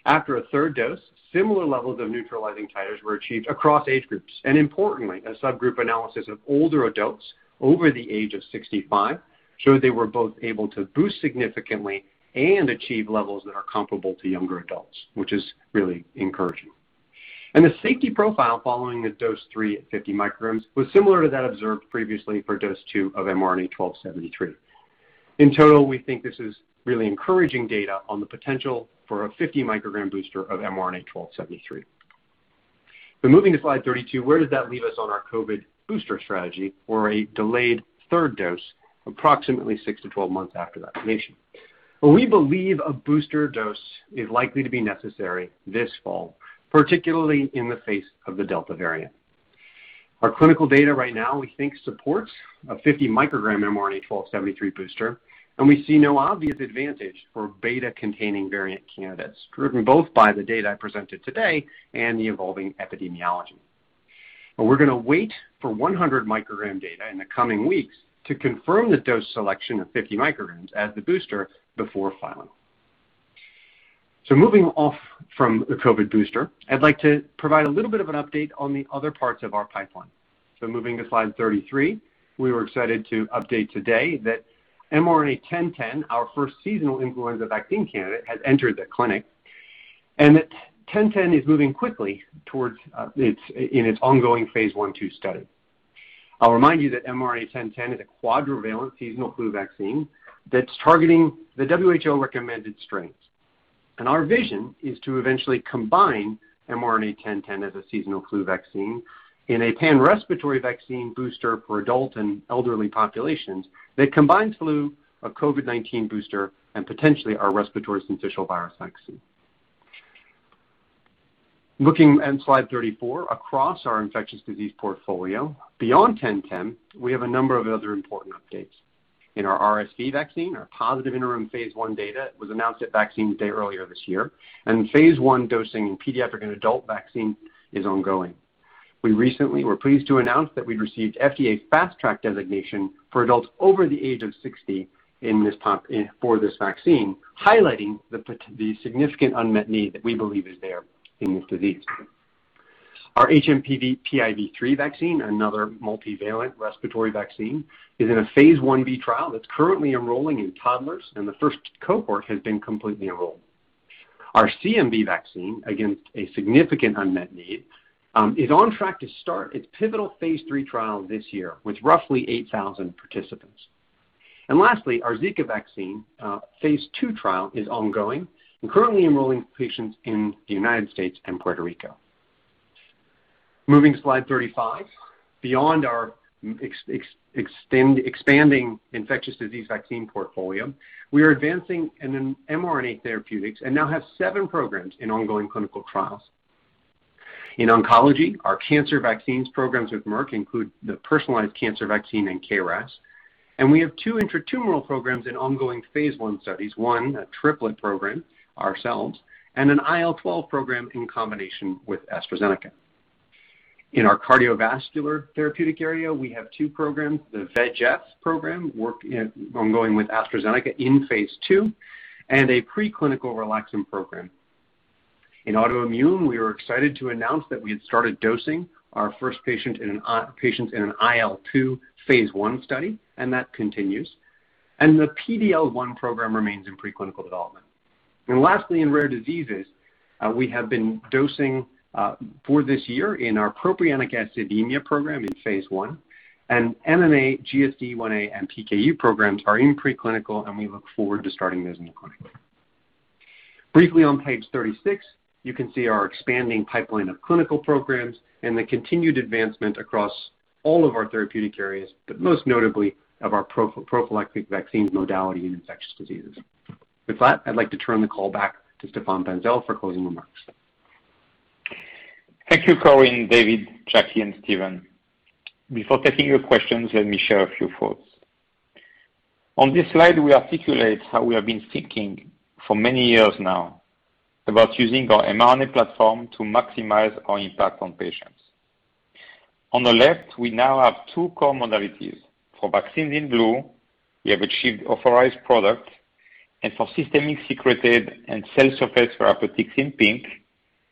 After a third dose, similar levels of neutralizing titers were achieved across age groups. Importantly, a subgroup analysis of older adults over the age of 65 showed they were both able to boost significantly and achieve levels that are comparable to younger adults, which is really encouraging. The safety profile following the dose three at 50 micrograms was similar to that observed previously for dose two of mRNA-1273. In total, we think this is really encouraging data on the potential for a 50 microgram booster of mRNA-1273. Moving to slide 32, where does that leave us on our COVID booster strategy for a delayed third dose approximately 6-12 months after vaccination? Well, we believe a booster dose is likely to be necessary this fall, particularly in the face of the Delta variant. Our clinical data right now we think supports a 50 microgram mRNA-1273 booster, and we see no obvious advantage for Beta-containing variant candidates, driven both by the data I presented today and the evolving epidemiology. We're going to wait for 100 microgram data in the coming weeks to confirm the dose selection of 50 micrograms as the booster before filing. Moving off from the COVID booster, I’d like to provide a little bit of an update on the other parts of our pipeline. Moving to slide 33, we were excited to update today that mRNA-1010, our first seasonal influenza vaccine candidate, has entered the clinic, and that mRNA-1010 is moving quickly in its ongoing phase I/II study. I’ll remind you that mRNA-1010 is a quadrivalent seasonal flu vaccine that’s targeting the WHO-recommended strains. Our vision is to eventually combine mRNA-1010 as a seasonal flu vaccine in a pan-respiratory vaccine booster for adult and elderly populations that combines flu, a COVID-19 booster, and potentially our respiratory syncytial virus vaccine. Looking at slide 34, across our infectious disease portfolio, beyond 1010, we have a number of other important updates. In our RSV vaccine, our positive interim phase I data was announced at Vaccines Day earlier this year, and phase I dosing in pediatric and adult vaccine is ongoing. We recently were pleased to announce that we'd received FDA's Fast Track designation for adults over the age of 60 for this vaccine, highlighting the significant unmet need that we believe is there in this disease. Our hMPV/PIV3 vaccine, another multivalent respiratory vaccine, is in a phase I-B trial that's currently enrolling in toddlers, and the first cohort has been completely enrolled. Our CMV vaccine, again, a significant unmet need, is on track to start its pivotal phase III trial this year with roughly 8,000 participants. Lastly, our Zika vaccine phase II trial is ongoing and currently enrolling patients in the United States and Puerto Rico. Moving to slide 35, beyond our expanding infectious disease vaccine portfolio, we are advancing in mRNA therapeutics and now have seven programs in ongoing clinical trials. In oncology, our cancer vaccines programs with Merck include the personalized cancer vaccine in KRAS. We have two intratumoral programs in ongoing phase I studies, one a triplet program ourselves, and an IL-12 program in combination with AstraZeneca. In our cardiovascular therapeutic area, we have two programs, the VEGF program ongoing with AstraZeneca in phase II. A preclinical Relaxin program. In autoimmune, we were excited to announce that we had started dosing our first patients in an IL-2 phase I study, and that continues. The PD-L1 program remains in preclinical development. Lastly, in rare diseases, we have been dosing for this year in our propionic acidemia program in phase I, MMA, GSD1a, and PKU programs are in preclinical, and we look forward to starting those in the clinic. Briefly on page 36, you can see our expanding pipeline of clinical programs and the continued advancement across all of our therapeutic areas, but most notably of our prophylactic vaccines modality in infectious diseases. With that, I'd like to turn the call back to Stéphane Bancel for closing remarks. Thank you, Corinne, David, Jackie, and Stephen. Before taking your questions, let me share a few thoughts. On this slide, we articulate how we have been thinking for many years now about using our mRNA platform to maximize our impact on patients. On the left, we now have two core modalities. For vaccines in blue, we have achieved authorized product, and for systemic secreted and cell surface therapeutics in pink,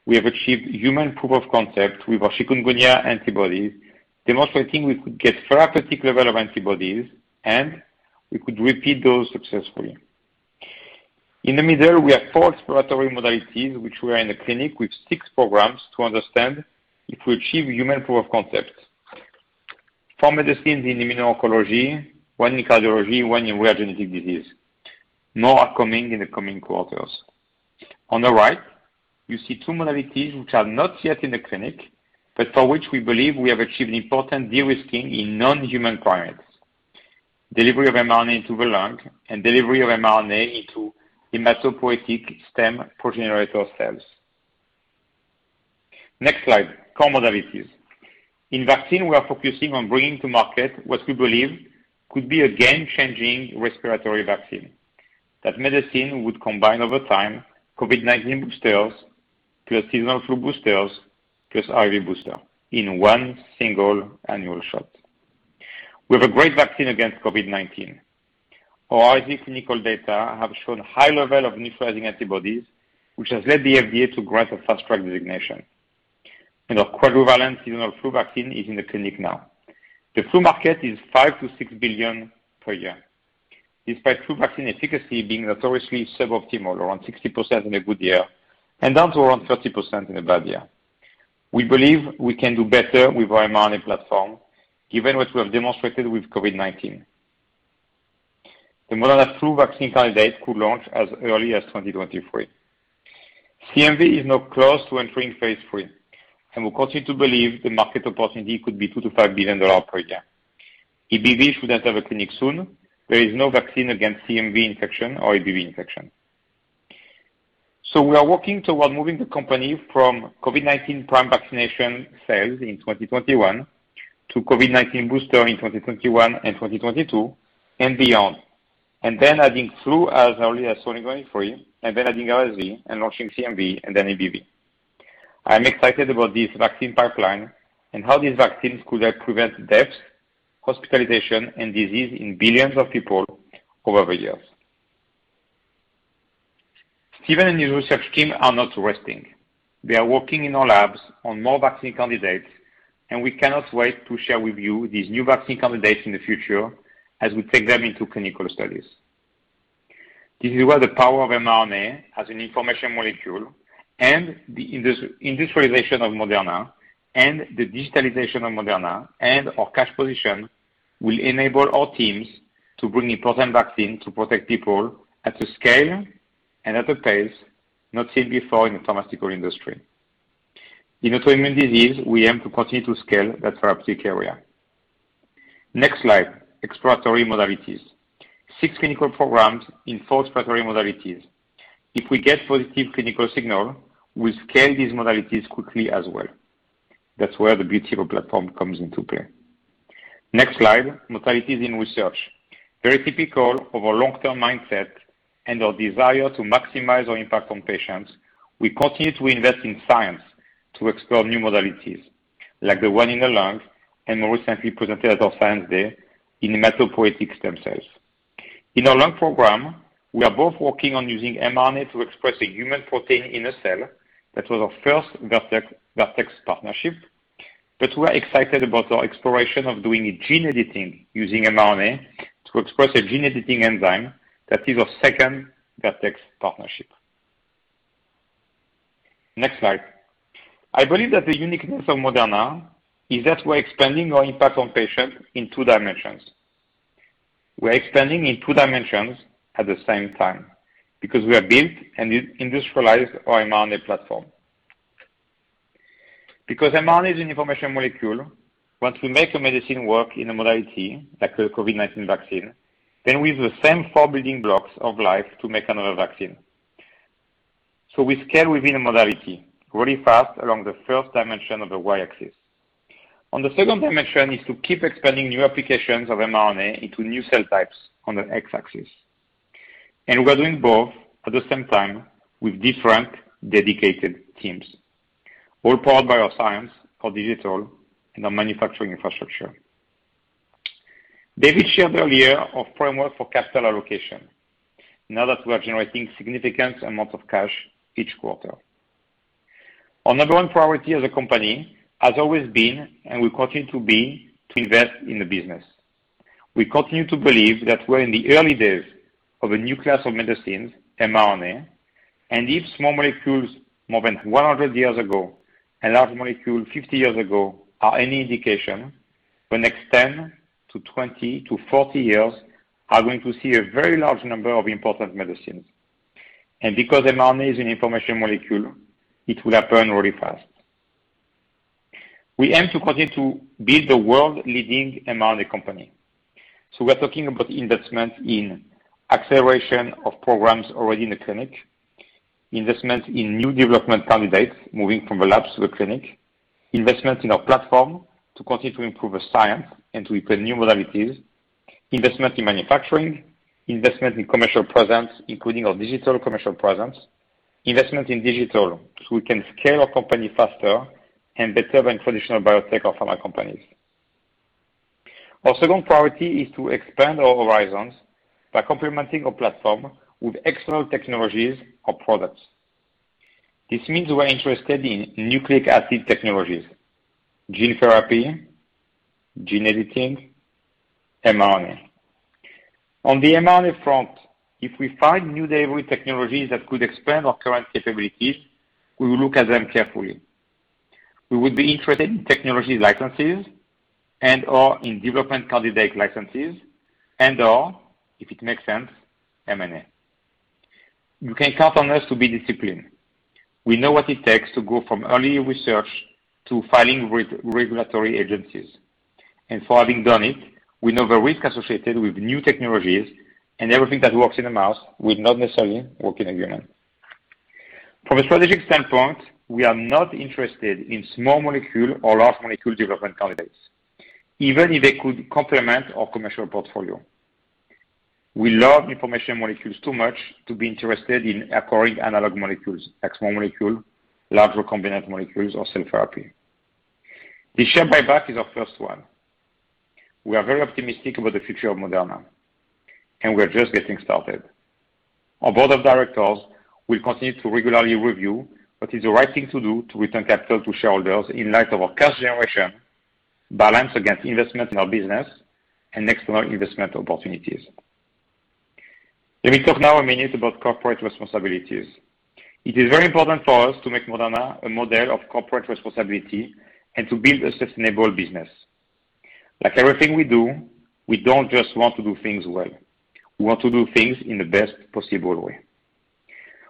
we have achieved human proof of concept with our chikungunya antibodies, demonstrating we could get therapeutic level of antibodies, and we could repeat those successfully. In the middle, we have four exploratory modalities which were in the clinic with six programs to understand if we achieve human proof of concept. Four medicines in immuno-oncology, one in cardiology, one in rare genetic disease. More are coming in the coming quarters. On the right, you see two modalities which are not yet in the clinic, but for which we believe we have achieved important de-risking in non-human primates. Delivery of mRNA into the lung and delivery of mRNA into hematopoietic stem progenitor cells. Next slide, core modalities. In vaccine, we are focusing on bringing to market what we believe could be a game-changing respiratory vaccine. That medicine would combine over time COVID-19 boosters plus seasonal flu boosters plus RSV booster in one single annual shot. We have a great vaccine against COVID-19. Our RSV clinical data have shown high level of neutralizing antibodies, which has led the FDA to grant a Fast Track designation. Our quadrivalent seasonal flu vaccine is in the clinic now. The flu market is $5 billion-$6 billion per year. Despite flu vaccine efficacy being notoriously sub-optimal, around 60% in a good year, and down to around 30% in a bad year. We believe we can do better with our mRNA platform, given what we have demonstrated with COVID-19. The Moderna flu vaccine candidate could launch as early as 2023. CMV is now close to entering phase III. We continue to believe the market opportunity could be $2 billion-$5 billion per year. EBV should enter the clinic soon. There is no vaccine against CMV infection or EBV infection. We are working toward moving the company from COVID-19 prime vaccination sales in 2021, to COVID-19 booster in 2021 and 2022, and beyond. Then adding flu as early as 2023, and then adding RSV, and launching CMV, and then EBV. I'm excited about this vaccine pipeline and how these vaccines could help prevent deaths, hospitalizations, and disease in billions of people over the years. Stephen and his research team are not resting. They are working in our labs on more vaccine candidates, and we cannot wait to share with you these new vaccine candidates in the future as we take them into clinical studies. This is where the power of mRNA as an information molecule, and the industrialization of Moderna, and the digitalization of Moderna, and our cash position will enable our teams to bring important vaccines to protect people at a scale and at a pace not seen before in the pharmaceutical industry. In autoimmune disease, we aim to continue to scale that therapeutic area. Next slide, exploratory modalities. Six clinical programs in four exploratory modalities. If we get positive clinical signal, we'll scale these modalities quickly as well. That's where the beauty of a platform comes into play. Next slide, modalities in research. Very typical of our long-term mindset and our desire to maximize our impact on patients, we continue to invest in science to explore new modalities, like the one in the lung, and more recently presented at our Science Day in hematopoietic stem cells. In our lung program, we are both working on using mRNA to express a human protein in a cell. That was our first Vertex partnership, but we're excited about our exploration of doing gene editing using mRNA to express a gene editing enzyme that is our second Vertex partnership. Next slide. I believe that the uniqueness of Moderna is that we're expanding our impact on patients in two dimensions. We're expanding in two dimensions at the same time because we have built and industrialized our mRNA platform. Because mRNA is an information molecule, once we make a medicine work in a modality, like the COVID-19 vaccine, then we use the same four building blocks of life to make another vaccine. We scale within a modality very fast along the first dimension of the Y-axis. On the second dimension is to keep expanding new applications of mRNA into new cell types on the X-axis. We're doing both at the same time with different dedicated teams, all powered by our science, our digital, and our manufacturing infrastructure. David shared earlier our framework for capital allocation. That we are generating significant amounts of cash each quarter, our number one priority as a company has always been, and will continue to be, to invest in the business. We continue to believe that we are in the early days of a new class of medicines, mRNA, and if small molecules more than 100 years ago and large molecules 50 years ago are any indication, the next 10-20-40 years are going to see a very large number of important medicines. Because mRNA is an information molecule, it will happen really fast. We aim to continue to be the world-leading mRNA company. We are talking about investment in acceleration of programs already in the clinic, investment in new development candidates moving from the labs to the clinic, investment in our platform to continue to improve the science and to include new modalities, investment in manufacturing, investment in commercial presence, including our digital commercial presence, investment in digital, so we can scale our company faster and better than traditional biotech or pharma companies. Our second priority is to expand our horizons by complementing our platform with external technologies or products. This means we're interested in nucleic acid technologies, gene therapy, gene editing, mRNA. On the mRNA front, if we find new delivery technologies that could expand our current capabilities, we will look at them carefully. We would be interested in technology licenses and/or in development candidate licenses and/or, if it makes sense, M&A. You can count on us to be disciplined. We know what it takes to go from early research to filing with regulatory agencies. For having done it, we know the risk associated with new technologies and everything that works in a mouse will not necessarily work in a human. From a strategic standpoint, we are not interested in small molecule or large molecule development candidates, even if they could complement our commercial portfolio. We love information molecules too much to be interested in acquiring analog molecules, like small molecule, large recombinant molecules, or cell therapy. The share buyback is our first one. We are very optimistic about the future of Moderna. We're just getting started. Our board of directors will continue to regularly review what is the right thing to do to return capital to shareholders in light of our cash generation balance against investment in our business and external investment opportunities. Let me talk now a minute about corporate responsibilities. It is very important for us to make Moderna a model of corporate responsibility and to build a sustainable business. Like everything we do, we don't just want to do things well. We want to do things in the best possible way.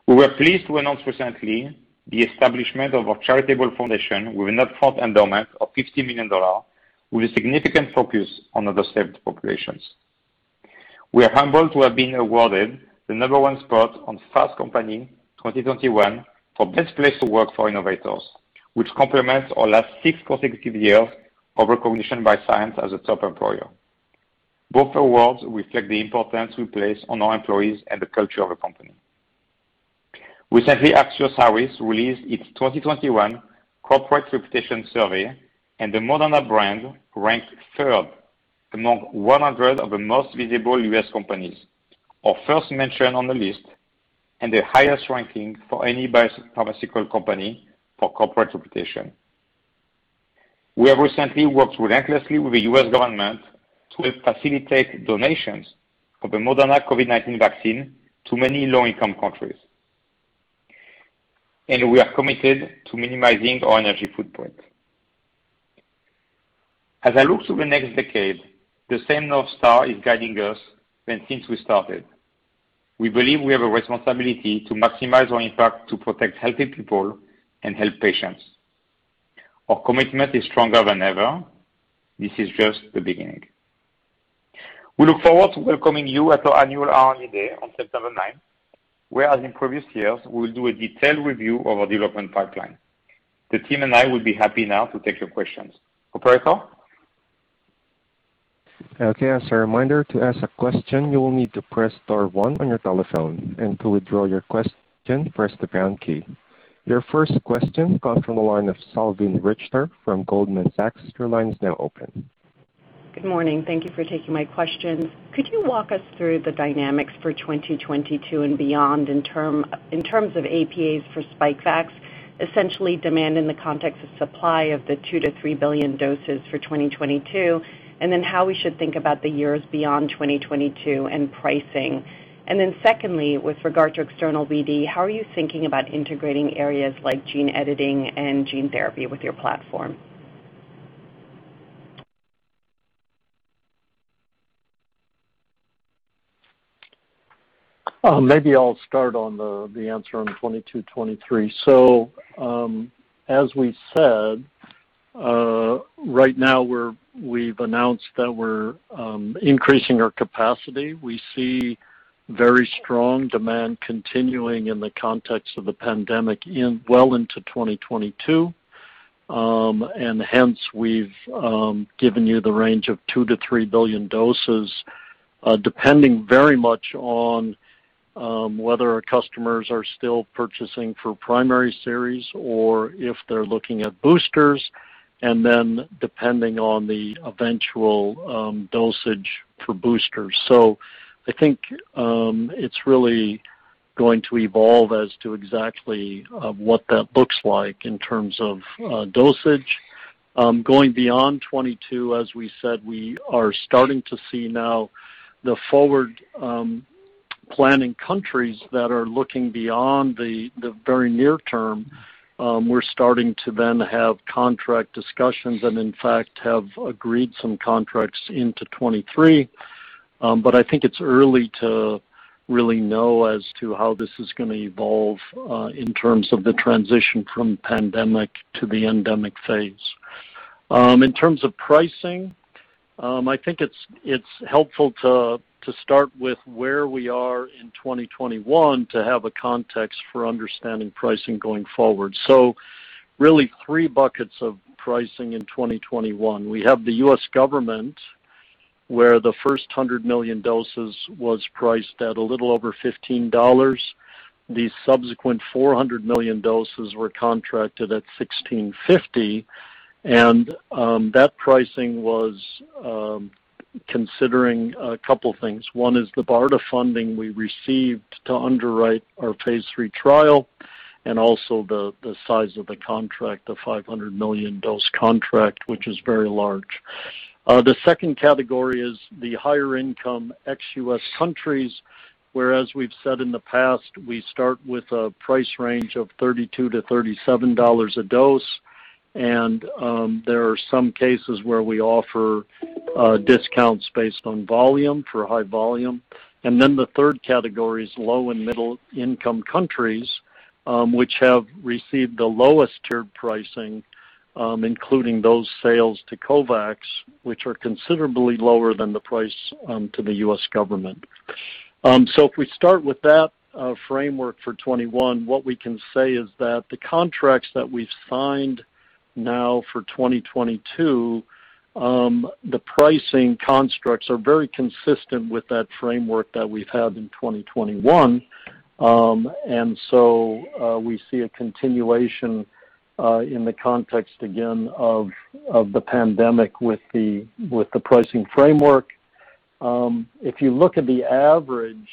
We were pleased to announce recently the establishment of a charitable foundation with a net fund endowment of $50 million with a significant focus on underserved populations. We are humbled to have been awarded the number one spot on Fast Company 2021 for Best Place to Work for Innovators, which complements our last six consecutive years of recognition by Science as a top employer. Both awards reflect the importance we place on our employees and the culture of the company. Recently, Axios Harris released its 2021 corporate reputation survey, and the Moderna brand ranked third among 100 of the most visible U.S. companies. Our first mention on the list, and the highest ranking for any biopharmaceutical company for corporate reputation. We have recently worked relentlessly with the U.S. government to facilitate donations of the Moderna COVID-19 vaccine to many low-income countries. We are committed to minimizing our energy footprint. As I look to the next decade, the same North Star is guiding us than since we started. We believe we have a responsibility to maximize our impact to protect healthy people and help patients. Our commitment is stronger than ever. This is just the beginning. We look forward to welcoming you at our annual R&D Day on September 9th, where, as in previous years, we will do a detailed review of our development pipeline. The team and I will be happy now to take your questions. Operator? Okay. As a reminder, to ask a question, you will need to press star one on your telephone, and to withdraw your question, press the pound key. Your first question comes from the line of Salveen Richter from Goldman Sachs. Your line is now open. Good morning. Thank you for taking my questions. Could you walk us through the dynamics for 2022 and beyond in terms of APAs for Spikevax, essentially demand in the context of supply of the 2 billion-3 billion doses for 2022, and then how we should think about the years beyond 2022 and pricing? Secondly, with regard to external BD, how are you thinking about integrating areas like gene editing and gene therapy with your platform? Maybe I'll start on the answer on 2022, 2023. As we said, right now we've announced that we're increasing our capacity. We see very strong demand continuing in the context of the pandemic well into 2022. Hence, we've given you the range of 2 billion-3 billion doses, depending very much on whether our customers are still purchasing for primary series or if they're looking at boosters, and then depending on the eventual dosage for boosters. I think it's really going to evolve as to exactly what that looks like in terms of dosage. Going beyond 2022, as we said, we are starting to see now the forward planning countries that are looking beyond the very near term. We're starting to then have contract discussions and, in fact, have agreed some contracts into 2023. I think it's early to really know as to how this is going to evolve in terms of the transition from pandemic to the endemic phase. In terms of pricing, I think it's helpful to start with where we are in 2021 to have a context for understanding pricing going forward. Really, three buckets of pricing in 2021. We have the U.S. government, where the first 100 million doses was priced at a little over $15. The subsequent 400 million doses were contracted at $16.50. That pricing was considering two things. One is the BARDA funding we received to underwrite our phase III trial and also the size of the contract, the 500 million dose contract, which is very large. The second category is the higher income ex-U.S. countries, where, as we've said in the past, we start with a price range of $32-$37 a dose. There are some cases where we offer discounts based on volume for high volume. Then the third category is low and middle-income countries, which have received the lowest tiered pricing, including those sales to COVAX, which are considerably lower than the price to the U.S. government. If we start with that framework for 2021, what we can say is that the contracts that we've signed now for 2022, the pricing constructs are very consistent with that framework that we've had in 2021. We see a continuation in the context again of the pandemic with the pricing framework. If you look at the average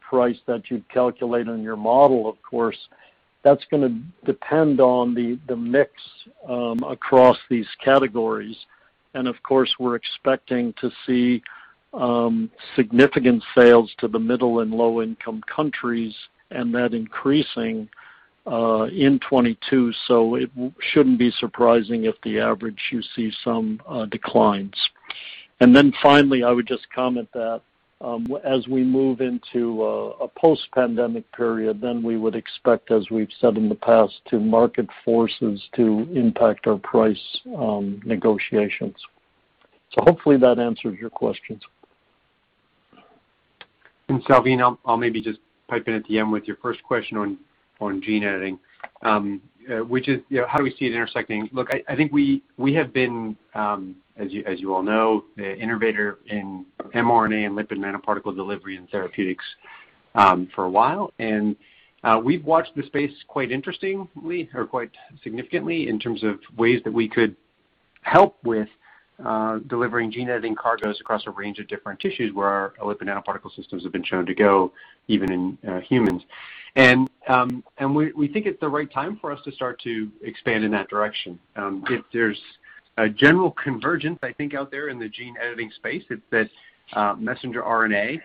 price that you'd calculate on your model, of course, that's going to depend on the mix across these categories. Of course, we're expecting to see significant sales to the middle and low-income countries, and that increasing in 2022. It shouldn't be surprising if the average you see some declines. Finally, I would just comment that as we move into a post-pandemic period, then we would expect, as we've said in the past, to market forces to impact our price negotiations. Hopefully that answered your questions. Salveen, I'll maybe just pipe in at the end with your first question on gene-editing, which is how do we see it intersecting? I think we have been, as you all know, the innovator in mRNA and lipid nanoparticle delivery and therapeutics for a while. We've watched the space quite interestingly or quite significantly in terms of ways that we could help with delivering gene-editing cargos across a range of different tissues where our lipid nanoparticle systems have been shown to go, even in humans. We think it's the right time for us to start to expand in that direction. There's a general convergence out there in the gene-editing space that messenger RNA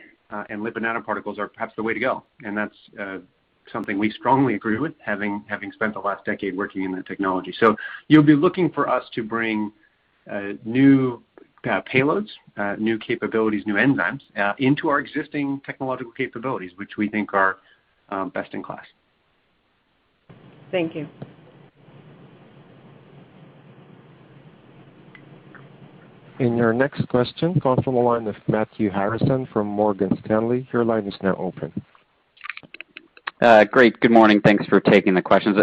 and lipid nanoparticles are perhaps the way to go. That's something we strongly agree with, having spent the last decade working in the technology. You'll be looking for us to bring new payloads, new capabilities, new enzymes into our existing technological capabilities, which we think are best in class. Thank you. Your next question comes from the line of Matthew Harrison from Morgan Stanley. Your line is now open. Great. Good morning. Thanks for taking the questions.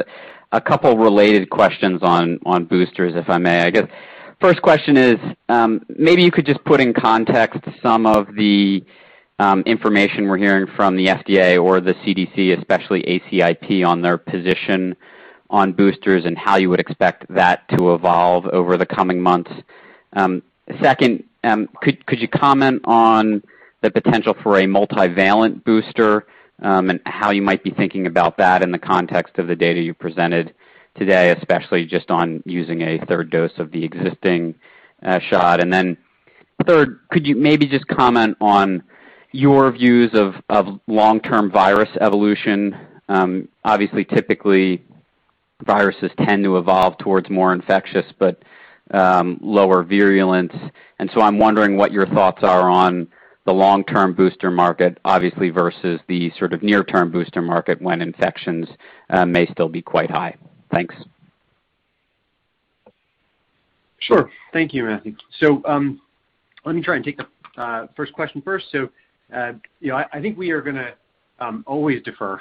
A couple of related questions on boosters, if I may. I guess first question is, maybe you could just put in context some of the information we're hearing from the FDA or the CDC, especially ACIP, on their position on boosters and how you would expect that to evolve over the coming months. Second, could you comment on the potential for a multivalent booster, and how you might be thinking about that in the context of the data you presented today, especially just on using a third dose of the existing shot? Third, could you maybe just comment on your views of long-term virus evolution? Obviously, typically, viruses tend to evolve towards more infectious but lower virulence. I'm wondering what your thoughts are on the long-term booster market, obviously, versus the sort of near-term booster market when infections may still be quite high. Thanks. Sure. Thank you, Matthew. Let me try and take the first question first. I think we are going to always defer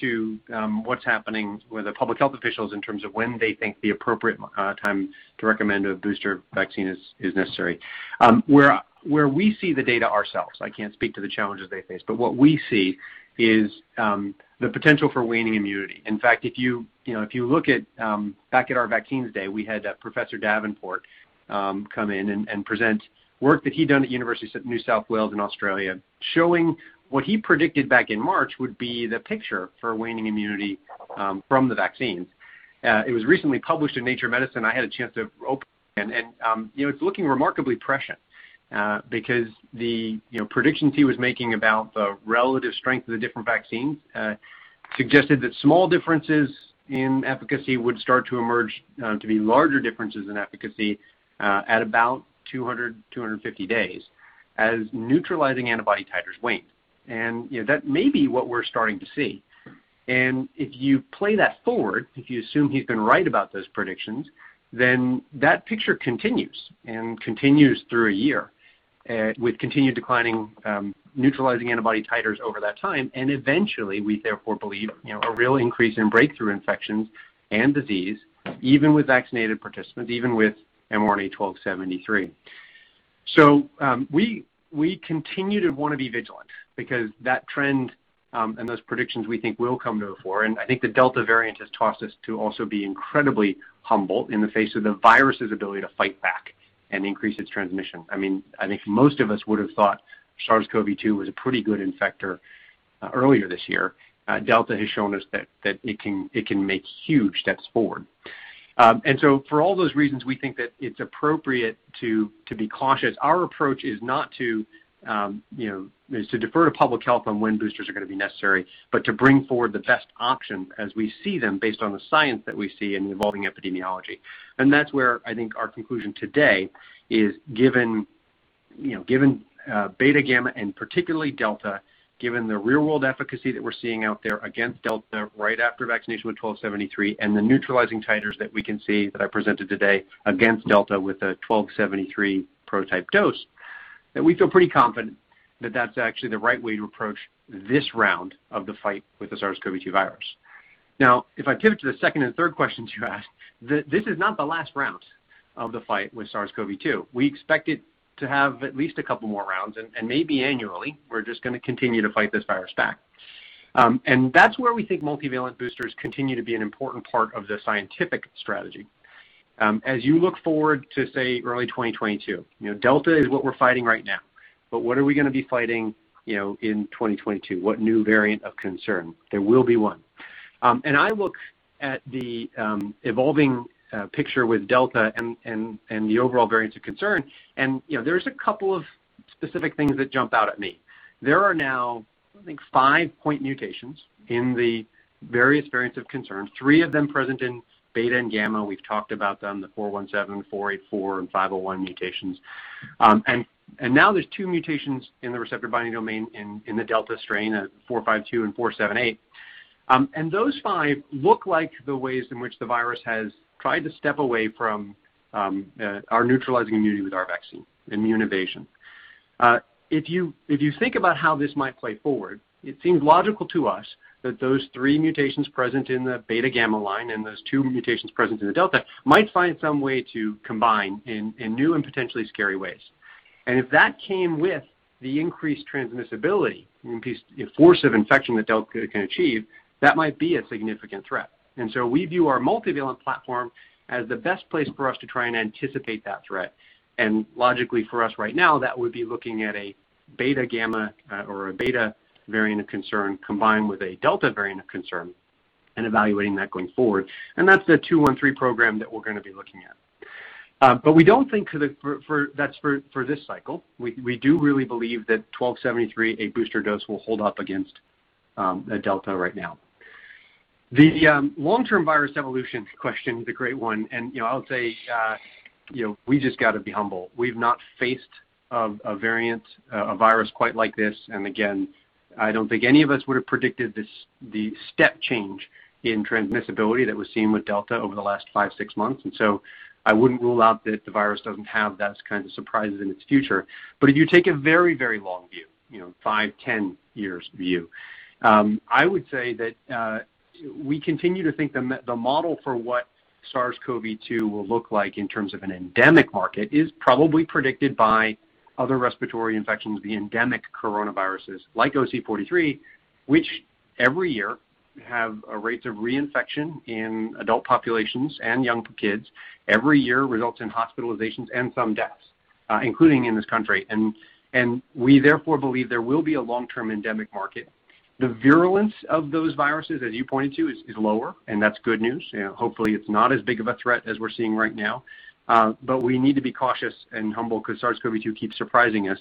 to what's happening with the public health officials in terms of when they think the appropriate time to recommend a booster vaccine is necessary. Where we see the data ourselves, I can't speak to the challenges they face, but what we see is the potential for waning immunity. In fact, if you look at back at our Vaccines Day, we had Professor Davenport come in and present work that he'd done at University of New South Wales in Australia showing what he predicted back in March would be the picture for waning immunity from the vaccines. It was recently published in "Nature Medicine." I had a chance to open it, and it's looking remarkably prescient because the predictions he was making about the relative strength of the different vaccines suggested that small differences in efficacy would start to emerge to be larger differences in efficacy at about 200, 250 days as neutralizing antibody titers wane. That may be what we're starting to see. If you play that forward, if you assume he's been right about those predictions, then that picture continues and continues through a year with continued declining neutralizing antibody titers over that time, and eventually, we therefore believe a real increase in breakthrough infections and disease, even with vaccinated participants, even with mRNA-1273. We continue to want to be vigilant because that trend and those predictions, we think, will come to the fore. I think the Delta variant has taught us to also be incredibly humble in the face of the virus's ability to fight back and increase its transmission. I think most of us would have thought SARS-CoV-2 was a pretty good infector earlier this year. Delta has shown us that it can make huge steps forward. For all those reasons, we think that it's appropriate to be cautious. Our approach is to defer to public health on when boosters are going to be necessary, but to bring forward the best options as we see them based on the science that we see in the evolving epidemiology. That's where I think our conclusion today is given Beta, Gamma, and particularly Delta, given the real-world efficacy that we're seeing out there against Delta right after vaccination with mRNA-1273, and the neutralizing titers that we can see that I presented today against Delta with a mRNA-1273 prototype dose, that we feel pretty confident that that's actually the right way to approach this round of the fight with the SARS-CoV-2 virus. If I pivot to the second and third questions you asked, this is not the last round of the fight with SARS-CoV-2. We expect it to have at least a couple more rounds, and maybe annually, we're just going to continue to fight this virus back. That's where we think multivalent boosters continue to be an important part of the scientific strategy. As you look forward to, say, early 2022, Delta is what we're fighting right now. What are we going to be fighting in 2022? What new variant of concern? There will be one. I look at the evolving picture with Delta and the overall variants of concern, and there's a couple of specific things that jump out at me. There are now, I think, five point mutations in the various variants of concern, three of them present in Beta and Gamma. We've talked about them, the 417, 484, and 501 mutations. Now there's two mutations in the receptor binding domain in the Delta strain, 452 and 478. Those five look like the ways in which the virus has tried to step away from our neutralizing immunity with our vaccine, immune evasion. If you think about how this might play forward, it seems logical to us that those three mutations present in the Beta, Gamma line and those two mutations present in the Delta might find some way to combine in new and potentially scary ways. If that came with the increased transmissibility, increased force of infection that Delta can achieve, that might be a significant threat. We view our multivalent platform as the best place for us to try and anticipate that threat. Logically for us right now, that would be looking at a Beta, Gamma or a Beta variant of concern combined with a Delta variant of concern and evaluating that going forward. That's the mRNA-1273.213 program that we're going to be looking at. We don't think that's for this cycle. We do really believe that mRNA-1273, a booster dose, will hold up against Delta right now. The long-term virus evolution question is a great one. I'll say we just got to be humble. We've not faced a variant, a virus quite like this. Again, I don't think any of us would have predicted the step change in transmissibility that was seen with Delta over the last five, six months. I wouldn't rule out that the virus doesn't have those kinds of surprises in its future. If you take a very long view, five, 10 years view, I would say that we continue to think the model for what SARS-CoV-2 will look like in terms of an endemic market is probably predicted by other respiratory infections, the endemic coronaviruses like OC43, which every year have rates of reinfection in adult populations and young kids, every year results in hospitalizations and some deaths, including in this country. We therefore believe there will be a long-term endemic market. The virulence of those viruses, as you pointed to, is lower, and that's good news. Hopefully, it's not as big of a threat as we're seeing right now. We need to be cautious and humble because SARS-CoV-2 keeps surprising us,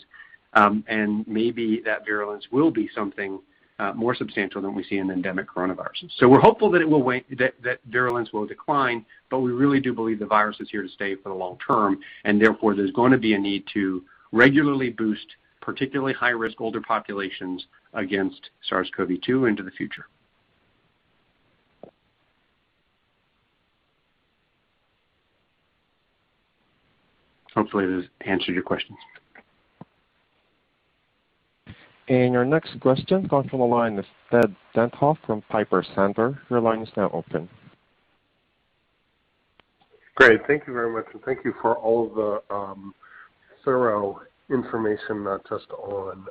and maybe that virulence will be something more substantial than we see in endemic coronaviruses. We're hopeful that virulence will decline, but we really do believe the virus is here to stay for the long term, and therefore, there's going to be a need to regularly boost particularly high-risk older populations against SARS-CoV-2 into the future. Hopefully, this answered your questions. Your next question comes from the line with Ted Tenthoff from Piper Sandler. Your line is now open. Great. Thank you very much, and thank you for all the thorough information, not just on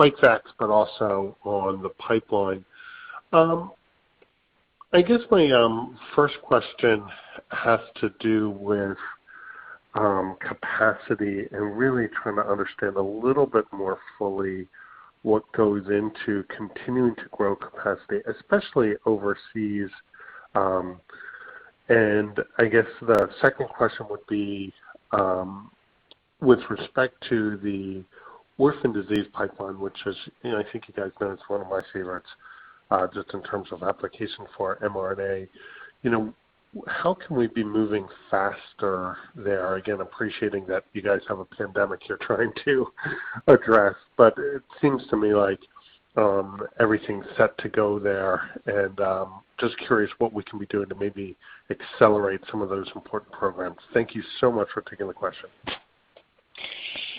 Spikevax, but also on the pipeline. I guess my first question has to do with capacity and really trying to understand a little bit more fully what goes into continuing to grow capacity, especially overseas. I guess the second question would be with respect to the orphan disease pipeline, which is, I think you guys know, it's one of my favorites just in terms of application for mRNA. How can we be moving faster there? Again, appreciating that you guys have a pandemic you're trying to address, but it seems to me like everything's set to go there, and just curious what we can be doing to maybe accelerate some of those important programs. Thank you so much for taking the question.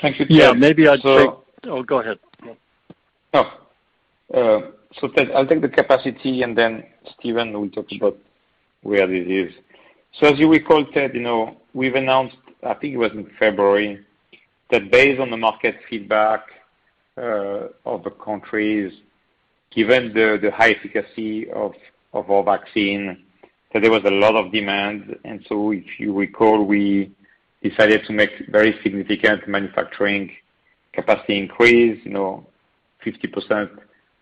Thank you, Ted. Yeah, maybe I'll take- Oh, go ahead. Ted, I'll take the capacity, and then Stephen will talk about where it is. As you recall, Ted, we've announced, I think it was in February, that based on the market feedback of the countries, given the high efficacy of our vaccine, that there was a lot of demand. If you recall, we decided to make very significant manufacturing capacity increase, 50%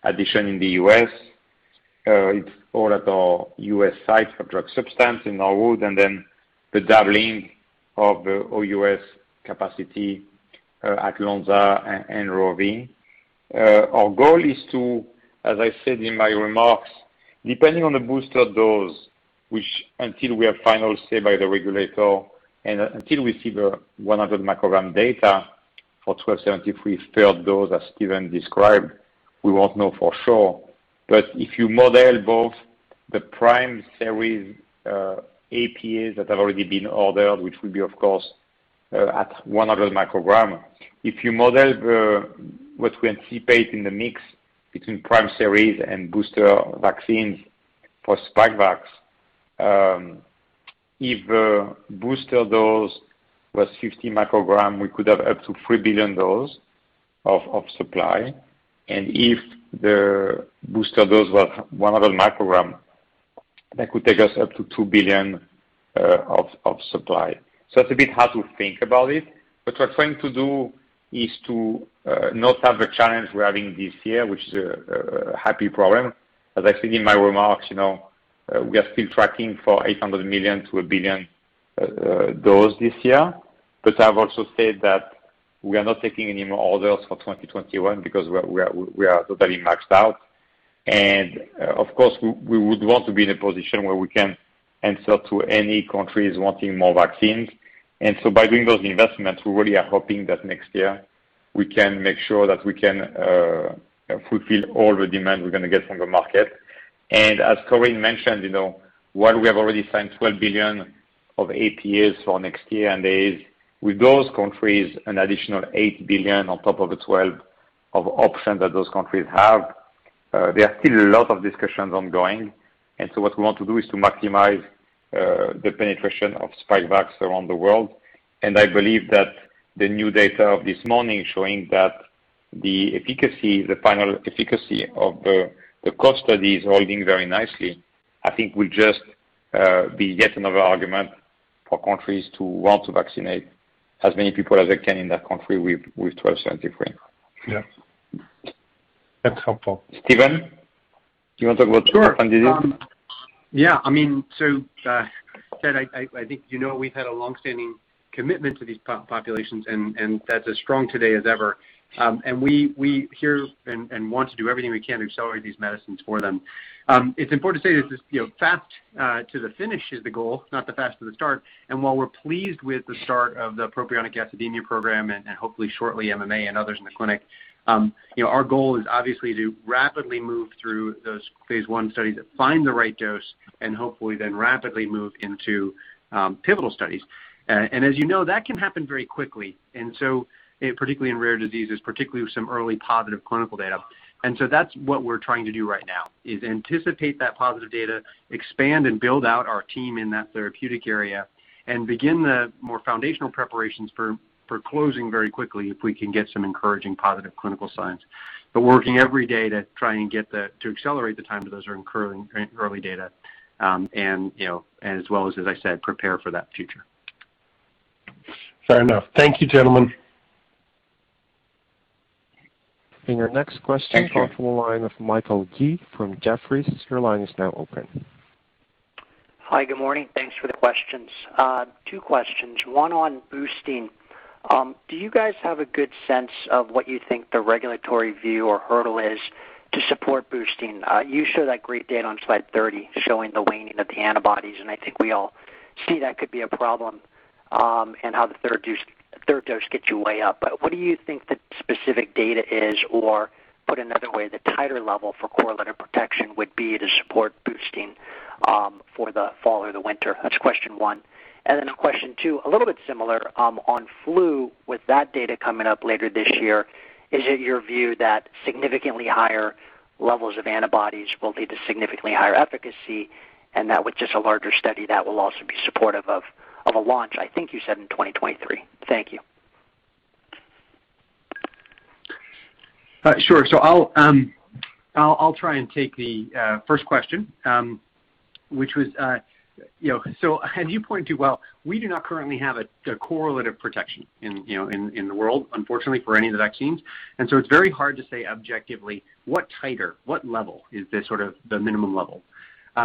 addition in the U.S. It's all at our U.S. sites for drug substance in Norwood, and then the doubling of the OUS capacity at Lonza and ROVI. Our goal is to, as I said in my remarks, depending on the booster dose, which until we have final say by the regulator and until we see the 100 microgram data for mRNA-1273 third dose, as Stephen described, we won't know for sure. If you model both the prime series APAs that have already been ordered, which will be, of course, at 100 microgram. If you model what we anticipate in the mix between prime series and booster vaccines for Spikevax, if the booster dose was 50 microgram, we could have up to 3 billion dose of supply. If the booster dose was 100 microgram, that could take us up to two billion of supply. It's a bit hard to think about it, but we're trying to do is to not have a challenge we're having this year, which is a happy problem. As I said in my remarks, we are still tracking for 800 million to 1 billion dose this year. I've also said that we are not taking any more orders for 2021 because we are totally maxed out. Of course, we would want to be in a position where we can answer to any countries wanting more vaccines. By doing those investments, we really are hoping that next year we can make sure that we can fulfill all the demand we're going to get from the market. As Corinne mentioned, while we have already signed $12 billion of APAs for next year, and there is with those countries, an additional $8 billion on top of the 12 options that those countries have. There are still a lot of discussions ongoing. What we want to do is to maximize the penetration of Spikevax around the world. I believe that the new data of this morning showing that the final efficacy of the COVE study is holding very nicely, I think will just be yet another argument for countries to want to vaccinate as many people as they can in that country with mRNA-1273. Yeah. That's helpful. Stephen, do you want to talk about orphan disease? Sure. Yeah, Ted, I think you know we've had a longstanding commitment to these populations, That's as strong today as ever. We hear and want to do everything we can to accelerate these medicines for them. It's important to say that fast to the finish is the goal, not the fast to the start. While we're pleased with the start of the propionic acidemia program and hopefully shortly MMA and others in the clinic, our goal is obviously to rapidly move through those phase I studies that find the right dose, Hopefully then rapidly move into pivotal studies. As you know, that can happen very quickly, Particularly in rare diseases, particularly with some early positive clinical data. That's what we're trying to do right now, is anticipate that positive data, expand and build out our team in that therapeutic area, and begin the more foundational preparations for closing very quickly if we can get some encouraging positive clinical signs. Working every day to try and get that to accelerate the time to those early data, and as well as I said, prepare for that future. Fair enough. Thank you, gentlemen. Your next question Thank you. come from the line of Michael Yee from Jefferies. Your line is now open. Hi, good morning. Thanks for the questions. Two questions, one on boosting. Do you guys have a good sense of what you think the regulatory view or hurdle is to support boosting? You show that great data on slide 30 showing the waning of the antibodies, and I think we all see that could be a problem, and how the third dose gets you way up. What do you think the specific data is, or put another way, the tighter level for correlative protection would be to support boosting for the fall or the winter? That's question one. Question two, a little bit similar, on flu with that data coming up later this year. Is it your view that significantly higher levels of antibodies will lead to significantly higher efficacy, and that with just a larger study that will also be supportive of a launch, I think you said in 2023? Thank you. Sure. I'll try and take the first question, which was, so as you pointed to well, we do not currently have the correlative protection in the world, unfortunately, for any of the vaccines. It's very hard to say objectively what titer, what level is the sort of minimum level.